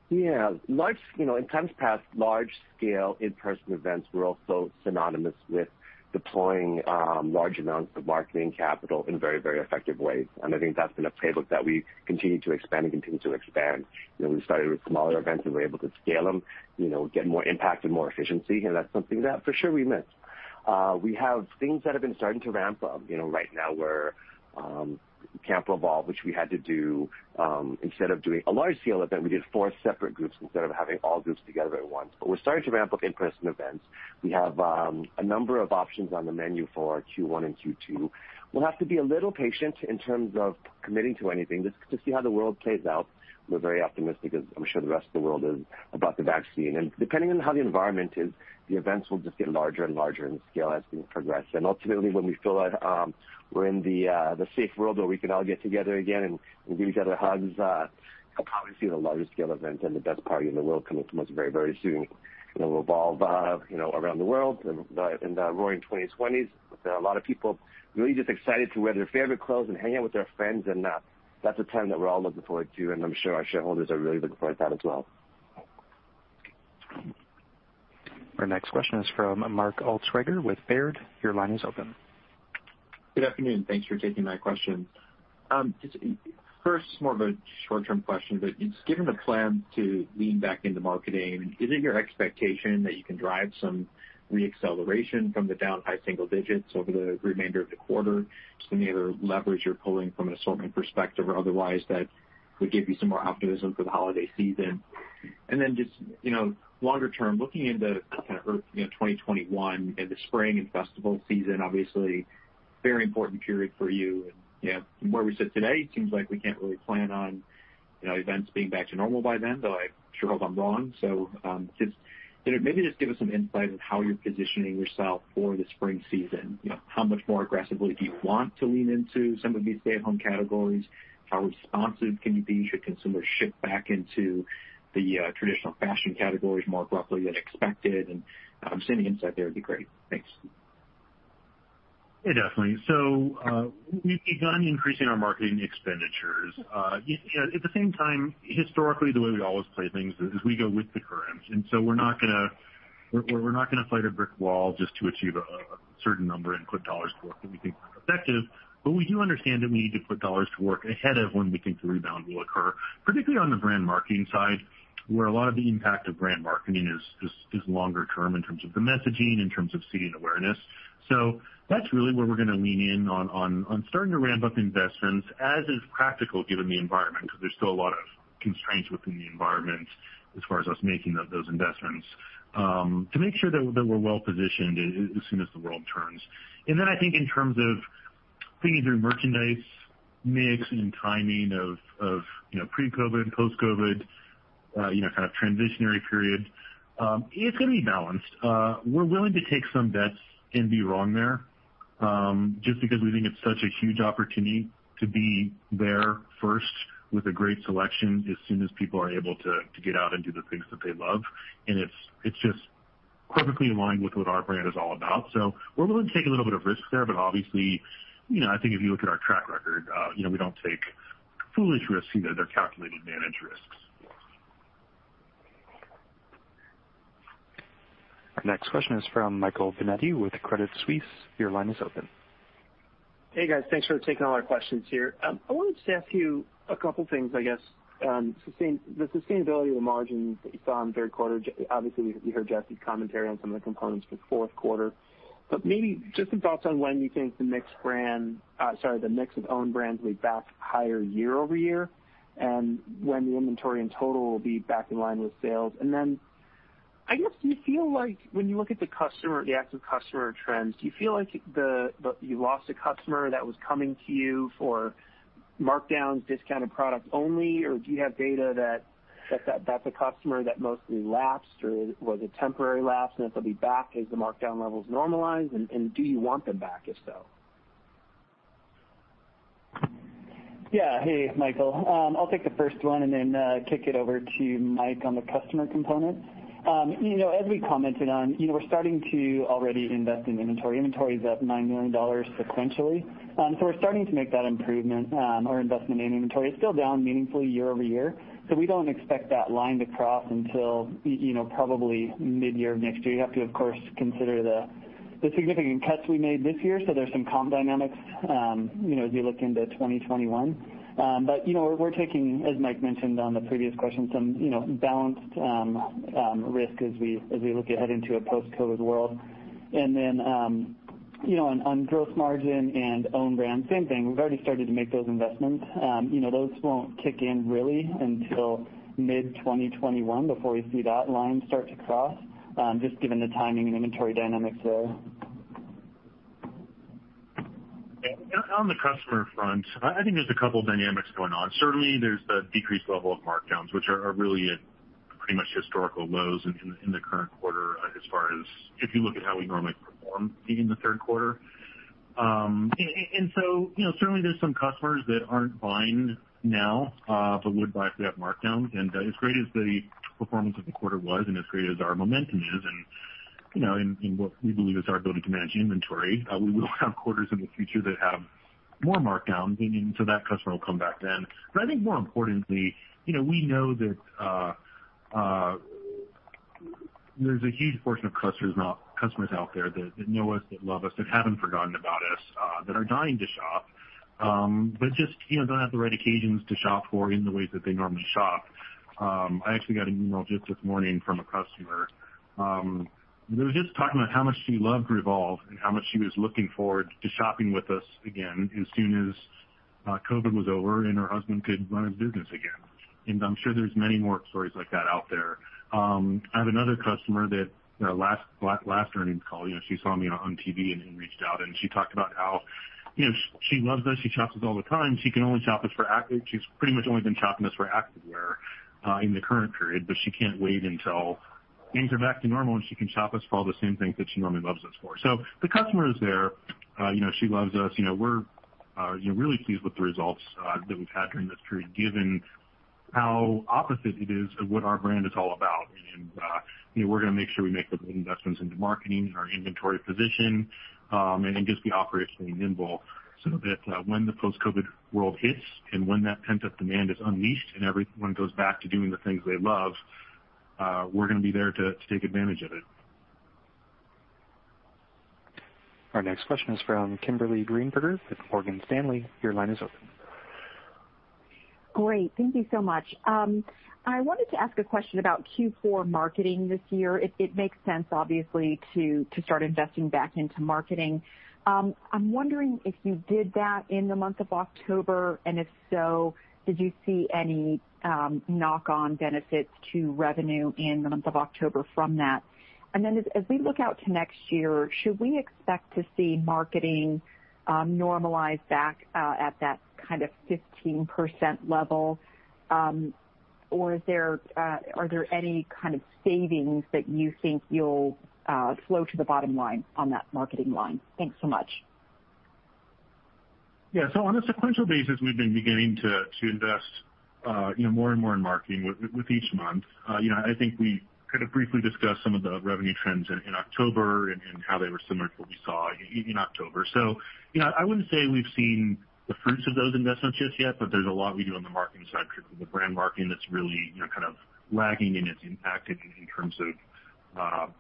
Yeah. In times past, large-scale in-person events were also synonymous with deploying large amounts of marketing capital in very, very effective ways. I think that's been a playbook that we continue to expand and continue to expand. We started with smaller events and were able to scale them, get more impact and more efficiency. That's something that for sure we missed. We have things that have been starting to ramp up. Right now, we're Camp Revolve, which we had to do. Instead of doing a large-scale event, we did four separate groups instead of having all groups together at once. We're starting to ramp up in-person events. We have a number of options on the menu for Q1 and Q2. We'll have to be a little patient in terms of committing to anything. This is to see how the world plays out. We're very optimistic as I'm sure the rest of the world is about the vaccine. And depending on how the environment is, the events will just get larger and larger in scale as things progress. And ultimately, when we feel like we're in the safe world where we can all get together again and give each other hugs, we'll probably see the largest scale event and the best party in the world coming to us very, very soon. And we'll evolve around the world in the roaring 2020s with a lot of people really just excited to wear their favorite clothes and hang out with their friends. And that's a time that we're all looking forward to. And I'm sure our shareholders are really looking forward to that as well. Our next question is from Mark Altschwager with Baird. Your line is open. Good afternoon. Thanks for taking my question. First, more of a short-term question, but given the plans to lean back into marketing, is it your expectation that you can drive some re-acceleration from the down high single digits over the remainder of the quarter? Just any other levers you're pulling from an assortment perspective or otherwise that would give you some more optimism for the holiday season? And then just longer-term, looking into kind of 2021 and the spring and festival season, obviously, very important period for you. And from where we sit today, it seems like we can't really plan on events being back to normal by then, though I sure hope I'm wrong. So maybe just give us some insight on how you're positioning yourself for the spring season. How much more aggressively do you want to lean into some of these stay-at-home categories? How responsive can you be? Should consumers shift back into the traditional fashion categories more abruptly than expected? And seeing the insight there would be great. Thanks. Yeah, definitely. So we've begun increasing our marketing expenditures. At the same time, historically, the way we always play things is we go with the current. And so we're not going to—we're not going to fight a brick wall just to achieve a certain number and put dollars to work that we think are effective. But we do understand that we need to put dollars to work ahead of when we think the rebound will occur, particularly on the brand marketing side, where a lot of the impact of brand marketing is longer-term in terms of the messaging, in terms of seeding awareness. So that's really where we're going to lean in on starting to ramp up investments as is practical given the environment, because there's still a lot of constraints within the environment as far as us making those investments, to make sure that we're well-positioned as soon as the world turns. And then I think in terms of thinking through merchandise mix and timing of pre-COVID, post-COVID, kind of transitionary period, it's going to be balanced. We're willing to take some bets and be wrong there just because we think it's such a huge opportunity to be there first with a great selection as soon as people are able to get out and do the things that they love. And it's just perfectly aligned with what our brand is all about. So we're willing to take a little bit of risk there. But obviously, I think if you look at our track record, we don't take foolish risks either. They're calculated managed risks. Next question is from Michael Binetti with Credit Suisse. Your line is open. Hey, guys. Thanks for taking all our questions here. I wanted to ask you a couple of things, I guess. The sustainability of the margins that you saw in third quarter, obviously, we heard Jesse's commentary on some of the components for fourth quarter. But maybe just some thoughts on when you think the mixed brand—sorry, the mix of own brands will be back higher year-over-year and when the inventory in total will be back in line with sales. I guess, do you feel like when you look at the customer, the active customer trends, do you feel like you lost a customer that was coming to you for markdowns, discounted products only? Or do you have data that that's a customer that mostly lapsed or was a temporary lapse and that they'll be back as the markdown levels normalize? Do you want them back if so? Yeah. Hey, Michael. I'll take the first one and then kick it over to Mike on the customer component. As we commented on, we're starting to already invest in inventory. Inventory is up $9 million sequentially. We're starting to make that improvement or investment in inventory. It's still down meaningfully year-over year. We don't expect that line to cross until probably mid-year of next year. You have to, of course, consider the significant cuts we made this year. So there's some comp dynamics as you look into 2021. But we're taking, as Mike mentioned on the previous question, some balanced risk as we look ahead into a post-COVID world. And then on gross margin and own brand, same thing. We've already started to make those investments. Those won't kick in really until mid-2021 before we see that line start to cross, just given the timing and inventory dynamics there. On the customer front, I think there's a couple of dynamics going on. Certainly, there's the decreased level of markdowns, which are really at pretty much historical lows in the current quarter as far as if you look at how we normally perform in the third quarter. And so certainly, there's some customers that aren't buying now but would buy if we have markdowns. And as great as the performance of the quarter was and as great as our momentum is and in what we believe is our ability to manage inventory, we will have quarters in the future that have more markdowns. And so that customer will come back then. But I think more importantly, we know that there's a huge portion of customers out there that know us, that love us, that haven't forgotten about us, that are dying to shop, but just don't have the right occasions to shop for in the ways that they normally shop. I actually got an email just this morning from a customer. They were just talking about how much she loved Revolve and how much she was looking forward to shopping with us again as soon as COVID was over and her husband could run his business again. I'm sure there's many more stories like that out there. I have another customer that last earnings call, she saw me on TV and reached out. She talked about how she loves us. She shops us all the time. She can only shop us for, she's pretty much only been shopping us for activewear in the current period, but she can't wait until things are back to normal and she can shop us for all the same things that she normally loves us for. The customer is there. She loves us. We're really pleased with the results that we've had during this period, given how opposite it is of what our brand is all about. And we're going to make sure we make the right investments into marketing and our inventory position and just be operationally nimble so that when the post-COVID world hits and when that pent-up demand is unleashed and everyone goes back to doing the things they love, we're going to be there to take advantage of it. Our next question is from Kimberly Greenberger with Morgan Stanley. Your line is open. Great. Thank you so much. I wanted to ask a question about Q4 marketing this year. It makes sense, obviously, to start investing back into marketing. I'm wondering if you did that in the month of October. And if so, did you see any knock-on benefits to revenue in the month of October from that? And then as we look out to next year, should we expect to see marketing normalize back at that kind of 15% level? Or are there any kind of savings that you think you'll flow to the bottom line on that marketing line? Thanks so much. Yeah. So on a sequential basis, we've been beginning to invest more and more in marketing with each month. I think we kind of briefly discussed some of the revenue trends in October and how they were similar to what we saw in October. So I wouldn't say we've seen the fruits of those investments just yet, but there's a lot we do on the marketing side of the brand marketing that's really kind of lagging in its impact in terms of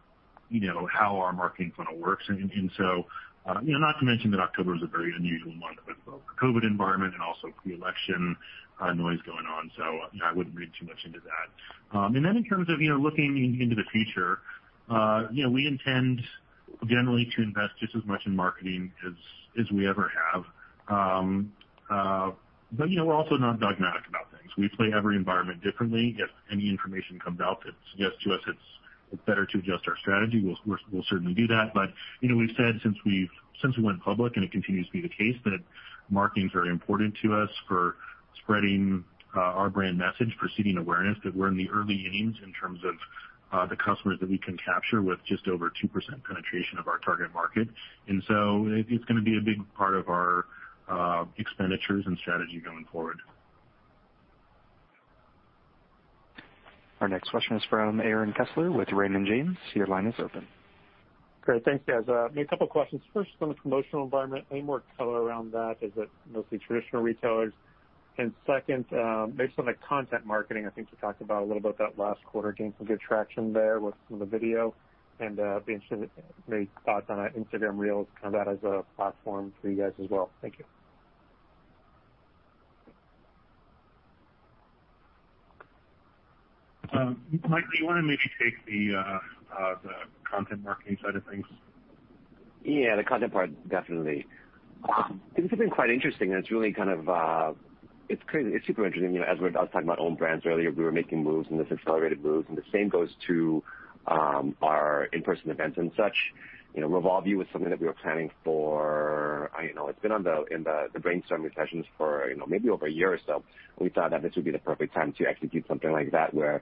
how our marketing funnel works. And so not to mention that October was a very unusual month with the COVID environment and also pre-election noise going on. So I wouldn't read too much into that. And then in terms of looking into the future, we intend generally to invest just as much in marketing as we ever have. But we're also not dogmatic about things. We play every environment differently. If any information comes out that suggests to us it's better to adjust our strategy, we'll certainly do that. But we've said since we went public, and it continues to be the case, that marketing is very important to us for spreading our brand message, for seeding awareness, that we're in the early innings in terms of the customers that we can capture with just over 2% penetration of our target market. And so it's going to be a big part of our expenditures and strategy going forward. Our next question is from Aaron Kessler with Raymond James. Your line is open. Great. Thanks, guys. A couple of questions. First, on the promotional environment, any more color around that? Is it mostly traditional retailers? And second, maybe some of the content marketing. I think you talked about a little bit about that last quarter gaining some good traction there with some of the video. And I'd be interested in any thoughts on Instagram Reels, kind of that as a platform for you guys as well. Thank you. Michael, you want to maybe take the content marketing side of things? Yeah, the content part, definitely. This has been quite interesting. And it's really kind of. It's super interesting. As I was talking about own brands earlier, we were making moves in this accelerated move. And the same goes to our in-person events and such. Revolve U was something that we were planning for. It's been on the brainstorming sessions for maybe over a year or so. We thought that this would be the perfect time to execute something like that, where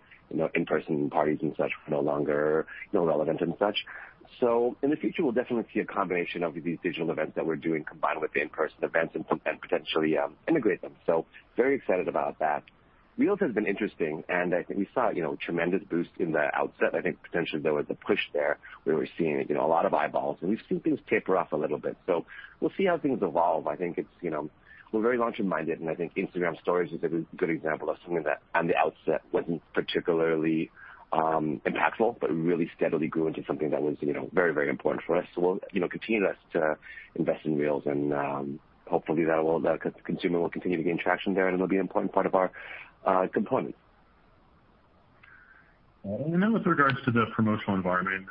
in-person parties and such are no longer relevant and such. So in the future, we'll definitely see a combination of these digital events that we're doing combined with the in-person events and potentially integrate them. So very excited about that. Reels has been interesting. And I think we saw a tremendous boost in the outset. I think potentially there was a push there where we're seeing a lot of eyeballs. And we've seen things taper off a little bit. So we'll see how things evolve. I think we're very launch-minded. And I think Instagram Stories is a good example of something that, on the outset, wasn't particularly impactful, but really steadily grew into something that was very, very important for us. So we'll continue to invest in Reels. And hopefully, consumers will continue to gain traction there. And it'll be an important part of our components. And then with regards to the promotional environment,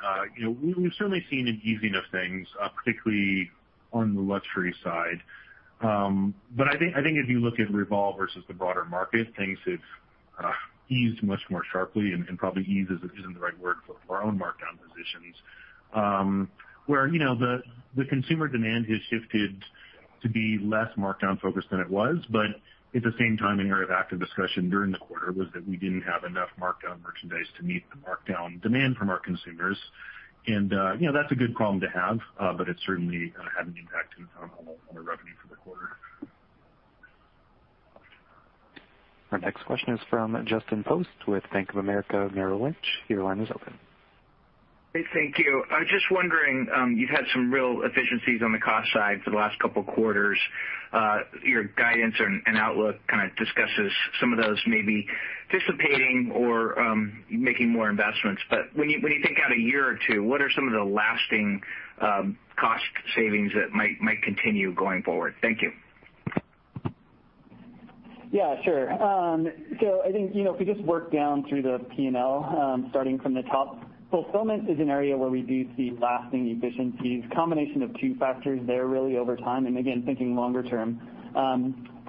we've certainly seen an easing of things, particularly on the luxury side. But I think if you look at Revolve versus the broader market, things have eased much more sharply. And probably ease isn't the right word for our own markdown positions, where the consumer demand has shifted to be less markdown-focused than it was. But at the same time, an area of active discussion during the quarter was that we didn't have enough markdown merchandise to meet the markdown demand from our consumers. And that's a good problem to have. But it certainly had an impact on our revenue for the quarter. Our next question is from Justin Post with Bank of America Merrill Lynch. Your line is open. Hey, thank you. Just wondering, you've had some real efficiencies on the cost side for the last couple of quarters. Your guidance and outlook kind of discusses some of those maybe dissipating or making more investments. But when you think out a year or two, what are some of the lasting cost savings that might continue going forward? Thank you. Yeah, sure. So I think if we just work down through the P&L, starting from the top, fulfillment is an area where we do see lasting efficiencies, a combination of two factors there really over time. And again, thinking longer-term.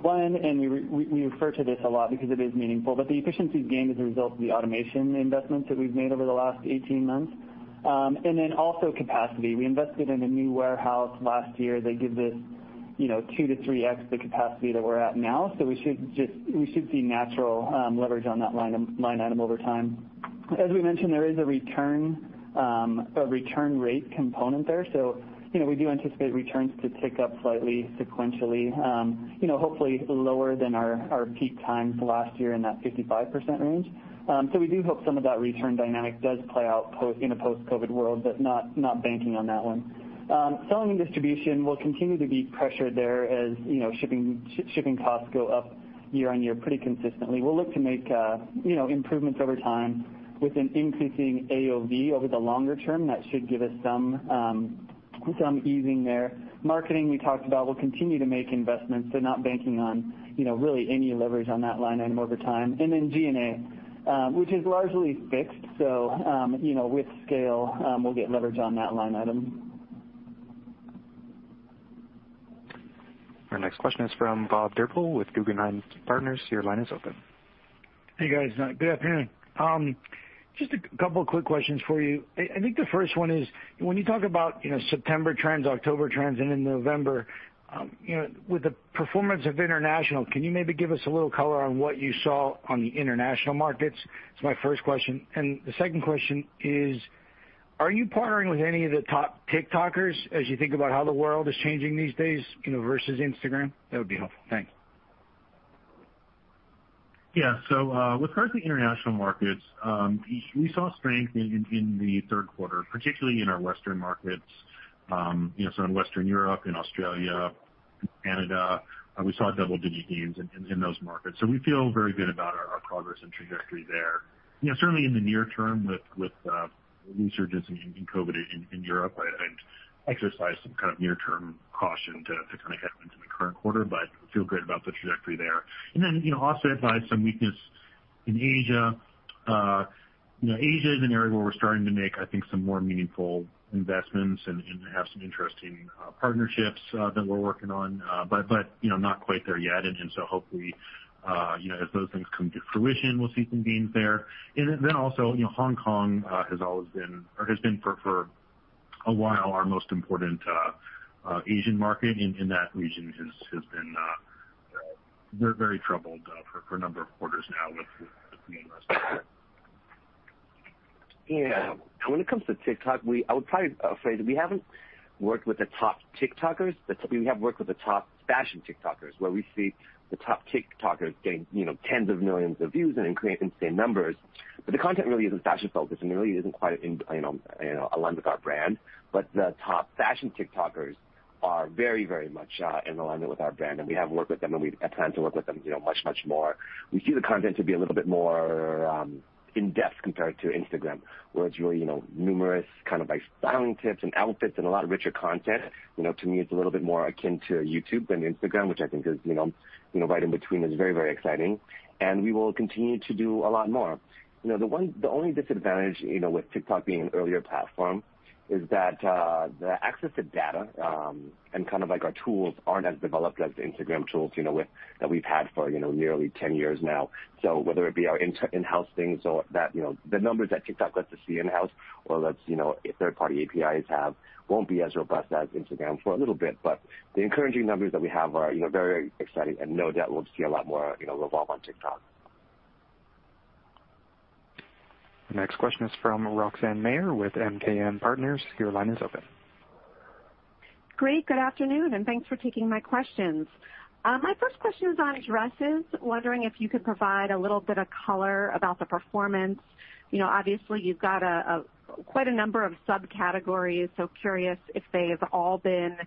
One, and we refer to this a lot because it is meaningful, but the efficiency gain is a result of the automation investments that we've made over the last 18 months. And then also capacity. We invested in a new warehouse last year. They give us 2x to 3x the capacity that we're at now. So we should see natural leverage on that line item over time. As we mentioned, there is a return rate component there. So we do anticipate returns to tick up slightly sequentially, hopefully lower than our peak time last year in that 55% range. So we do hope some of that return dynamic does play out in a post-COVID world, but not banking on that one. Selling and distribution will continue to be pressured there as shipping costs go up year on year pretty consistently. We'll look to make improvements over time with an increasing AOV over the longer term. That should give us some easing there. Marketing, we talked about, we'll continue to make investments. So not banking on really any leverage on that line item over time. And then G&A, which is largely fixed. So with scale, we'll get leverage on that line item. Our next question is from Robert Drbul with Guggenheim Securities. Your line is open. Hey, guys. Good afternoon. Just a couple of quick questions for you. I think the first one is, when you talk about September trends, October trends, and in November, with the performance of international, can you maybe give us a little color on what you saw on the international markets? It's my first question. And the second question is, are you partnering with any of the top TikTokers as you think about how the world is changing these days versus Instagram? That would be helpful. Thanks. Yeah. So with regards to international markets, we saw strength in the third quarter, particularly in our Western markets, so in Western Europe, in Australia, Canada. We saw double-digit gains in those markets. So we feel very good about our progress and trajectory there. Certainly, in the near term with the resurgence in COVID in Europe, I'd exercise some kind of near-term caution to kind of head into the current quarter, but feel great about the trajectory there, and then offset by some weakness in Asia. Asia is an area where we're starting to make, I think, some more meaningful investments and have some interesting partnerships that we're working on, but not quite there yet, and so hopefully, as those things come to fruition, we'll see some gains there, and then also, Hong Kong has always been, or has been for a while, our most important Asian market, and that region has been very troubled for a number of quarters now with the investments. Yeah, and when it comes to TikTok, I would probably say that we haven't worked with the top TikTokers. We have worked with the top fashion TikTokers, where we see the top TikTokers getting tens of millions of views and insane numbers. But the content really isn't fashion-focused. And it really isn't quite aligned with our brand. But the top fashion TikTokers are very, very much in alignment with our brand. And we have worked with them. And we plan to work with them much, much more. We see the content to be a little bit more in-depth compared to Instagram, where it's really numerous kind of styling tips and outfits and a lot richer content. To me, it's a little bit more akin to YouTube than Instagram, which I think is right in between is very, very exciting. And we will continue to do a lot more. The only disadvantage with TikTok being an earlier platform is that the access to data and kind of our tools aren't as developed as the Instagram tools that we've had for nearly 10 years now. So whether it be our in-house things or the numbers that TikTok lets us see in-house or lets third-party APIs have won't be as robust as Instagram for a little bit. But the encouraging numbers that we have are very exciting. And no doubt, we'll see a lot more of Revolve on TikTok. Our next question is from Roxanne Meyer with MKM Partners. Your line is open. Great. Good afternoon. And thanks for taking my questions. My first question is on dresses, wondering if you could provide a little bit of color about the performance. Obviously, you've got quite a number of subcategories. So curious if they've all been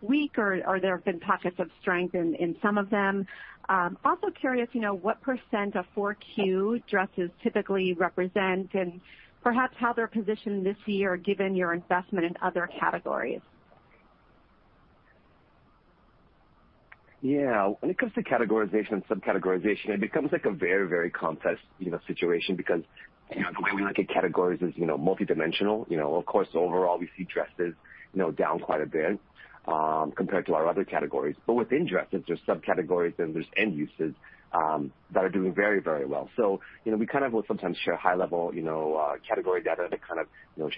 weak or there have been pockets of strength in some of them? Also curious what % of 4Q dresses typically represent and perhaps how they're positioned this year given your investment in other categories? Yeah. When it comes to categorization and subcategorization, it becomes a very, very complex situation because the way we look at categories is multidimensional. Of course, overall, we see dresses down quite a bit compared to our other categories. But within dresses, there's subcategories and there's end uses that are doing very, very well. So we kind of will sometimes share high-level category data to kind of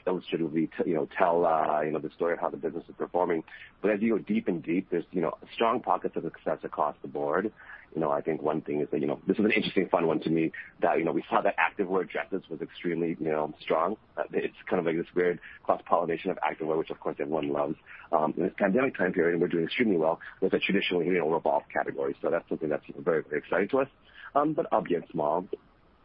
illustratively tell the story of how the business is performing. But as you go deep and deep, there's strong pockets of success across the board. I think one thing is that this is an interesting, fun one to me that we saw that activewear dresses was extremely strong. It's kind of like this weird cross-pollination of activewear, which of course everyone loves. In this pandemic time period, we're doing extremely well with a traditional Revolve category. So that's something that's very, very exciting to us, but up against small.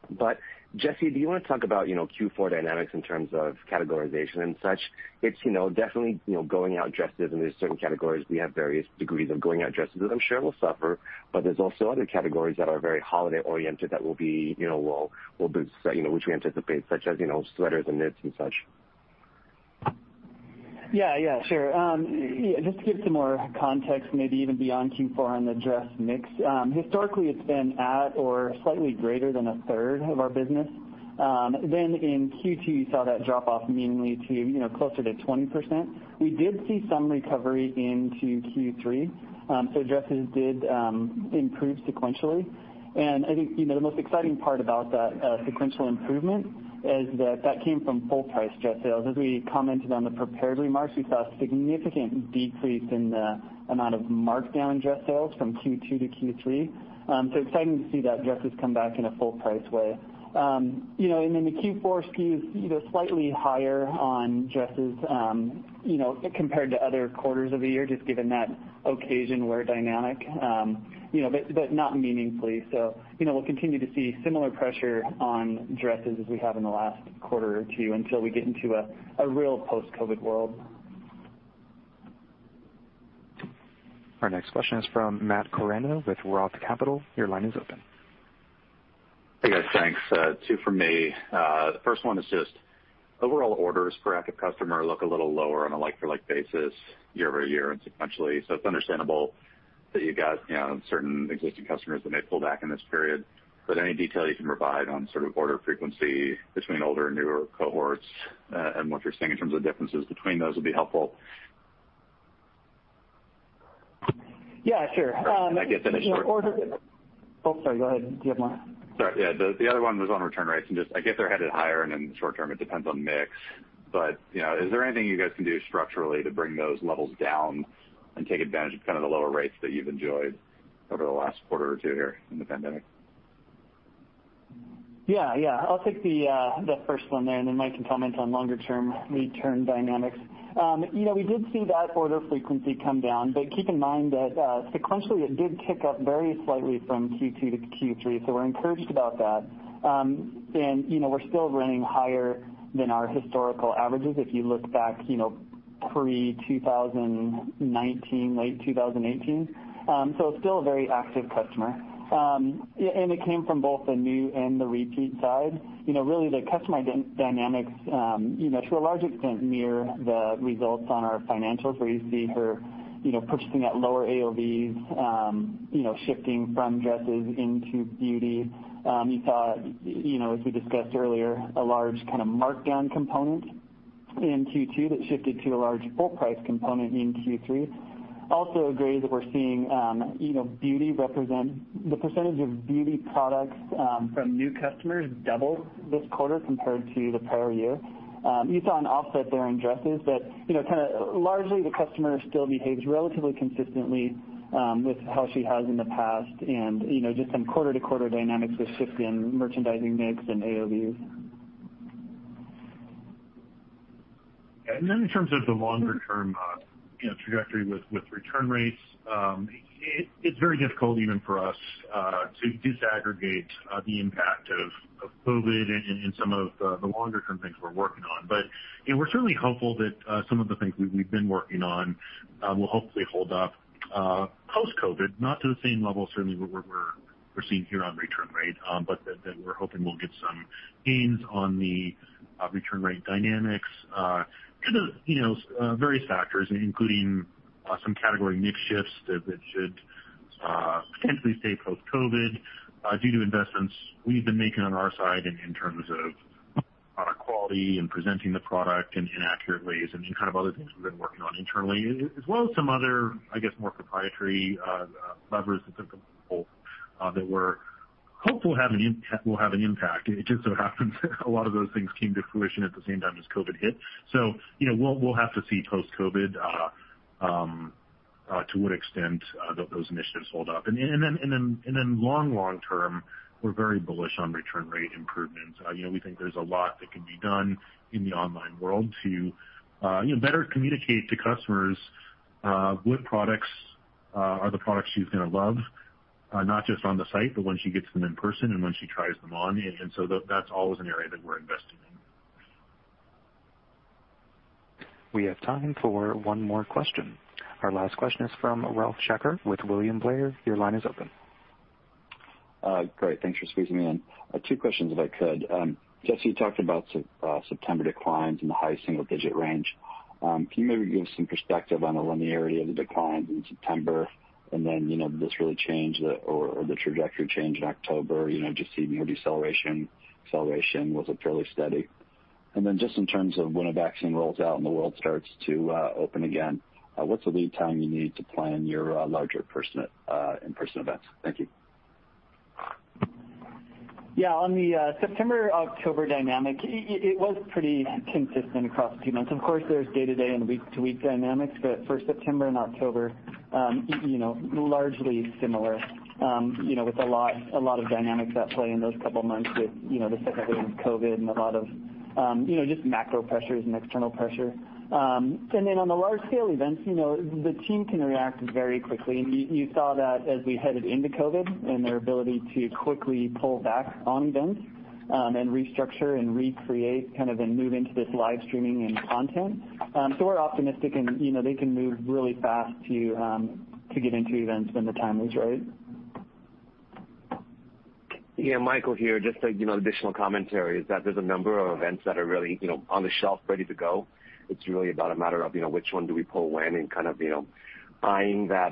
But Jesse, do you want to talk about Q4 dynamics in terms of categorization and such? It's definitely going out dresses. And there's certain categories we have various degrees of going out dresses that I'm sure will suffer. But there's also other categories that are very holiday-oriented that will be which we anticipate, such as sweaters and knits and such. Yeah, yeah, sure. Just to give some more context, maybe even beyond Q4 on the dress mix, historically, it's been at or slightly greater than a third of our business. Then in Q2, you saw that drop off meaningfully to closer to 20%. We did see some recovery into Q3. So dresses did improve sequentially. And I think the most exciting part about that sequential improvement is that that came from full-price dress sales. As we commented on the prepared remarks, we saw a significant decrease in the amount of markdown dress sales from Q2 to Q3. So exciting to see that dresses come back in a full-price way. And then the Q4 skews slightly higher on dresses compared to other quarters of the year, just given that occasion wear dynamic, but not meaningfully. So we'll continue to see similar pressure on dresses as we have in the last quarter or two until we get into a real post-COVID world. Our next question is from Matt Koranda with Roth Capital. Your line is open. Hey, guys. Thanks. Two for me. The first one is just overall orders per active customer look a little lower on a like-for-like basis year-over-year and sequentially. So it's understandable that you've got certain existing customers that may pull back in this period. But any detail you can provide on sort of order frequency between older and newer cohorts and what you're seeing in terms of differences between those would be helpful. Yeah, sure. I guess in a short term. Oh, sorry. Go ahead. Do you have more? Sorry. Yeah. The other one was on return rates. And just I guess they're headed higher. And in the short term, it depends on mix. But is there anything you guys can do structurally to bring those levels down and take advantage of kind of the lower rates that you've enjoyed over the last quarter or two here in the pandemic? Yeah, yeah. I'll take the first one there. And then Mike can comment on longer-term return dynamics. We did see that order frequency come down. But keep in mind that sequentially, it did tick up very slightly from Q2 to Q3. So we're encouraged about that. And we're still running higher than our historical averages if you look back pre-2019, late 2018. So still a very active customer. And it came from both the new and the repeat side. Really, the customer dynamics, to a large extent, mirror the results on our financials, where you see her purchasing at lower AOVs, shifting from dresses into beauty. You saw, as we discussed earlier, a large kind of markdown component in Q2 that shifted to a large full-price component in Q3. Also agrees that we're seeing beauty represent the percentage of beauty products from new customers doubled this quarter compared to the prior year. You saw an offset there in dresses, but kind of largely, the customer still behaves relatively consistently with how she has in the past, and just some quarter-to-quarter dynamics with shift in merchandising mix and AOVs, Then in terms of the longer-term trajectory with return rates, it's very difficult even for us to disaggregate the impact of COVID and some of the longer-term things we're working on. But we're certainly hopeful that some of the things we've been working on will hopefully hold up post-COVID, not to the same level certainly we're seeing here on return rate, but that we're hoping we'll get some gains on the return rate dynamics due to various factors, including some category mix shifts that should potentially stay post-COVID due to investments we've been making on our side in terms of product quality and presenting the product in accurate ways and kind of other things we've been working on internally. As well as some other, I guess, more proprietary levers that we're hopeful will have an impact. It just so happens a lot of those things came to fruition at the same time as COVID hit, so we'll have to see post-COVID to what extent those initiatives hold up, and then long, long term, we're very bullish on return rate improvements. We think there's a lot that can be done in the online world to better communicate to customers what products are the products she's going to love, not just on the site, but when she gets them in person and when she tries them on. And so that's always an area that we're investing in. We have time for one more question. Our last question is from Ralph Schackart with William Blair. Your line is open. Great. Thanks for squeezing me in. Two questions, if I could. Jesse, you talked about September declines in the high single-digit range. Can you maybe give some perspective on the linearity of the declines in September and then this really change or the trajectory change in October? Just seeing more deceleration, acceleration wasn't fairly steady. And then just in terms of when a vaccine rolls out and the world starts to open again, what's the lead time you need to plan your larger in-person events? Thank you. Yeah. On the September-October dynamic, it was pretty consistent across a few months. Of course, there's day-to-day and week-to-week dynamics. But for September and October, largely similar with a lot of dynamics at play in those couple of months with the second wave of COVID and a lot of just macro pressures and external pressure. And then on the large-scale events, the team can react very quickly. And you saw that as we headed into COVID and their ability to quickly pull back on events and restructure and recreate kind of and move into this live streaming and content. So we're optimistic. And they can move really fast to get into events when the time is right. Yeah. Michael here, just additional commentary is that there's a number of events that are really on the shelf, ready to go. It's really about a matter of which one do we pull when and kind of eyeing that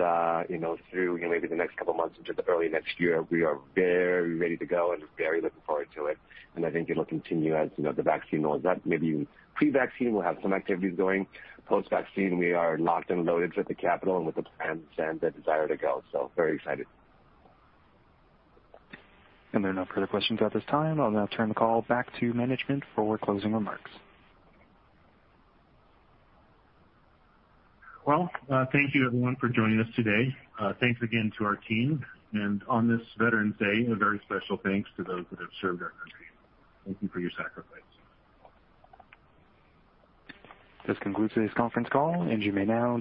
through maybe the next couple of months into the early next year. We are very ready to go and very looking forward to it, and I think it'll continue as the vaccine rolls out. Maybe pre-vaccine, we'll have some activities going. Post-vaccine, we are locked and loaded for the capital and with the planned desire to go, so very excited. There are no further questions at this time. I'll now turn the call back to management for closing remarks. Thank you, everyone, for joining us today. Thanks again to our team, and on this Veterans Day, a very special thanks to those that have served our country. Thank you for your participation. This concludes today's conference call. You may now disconnect.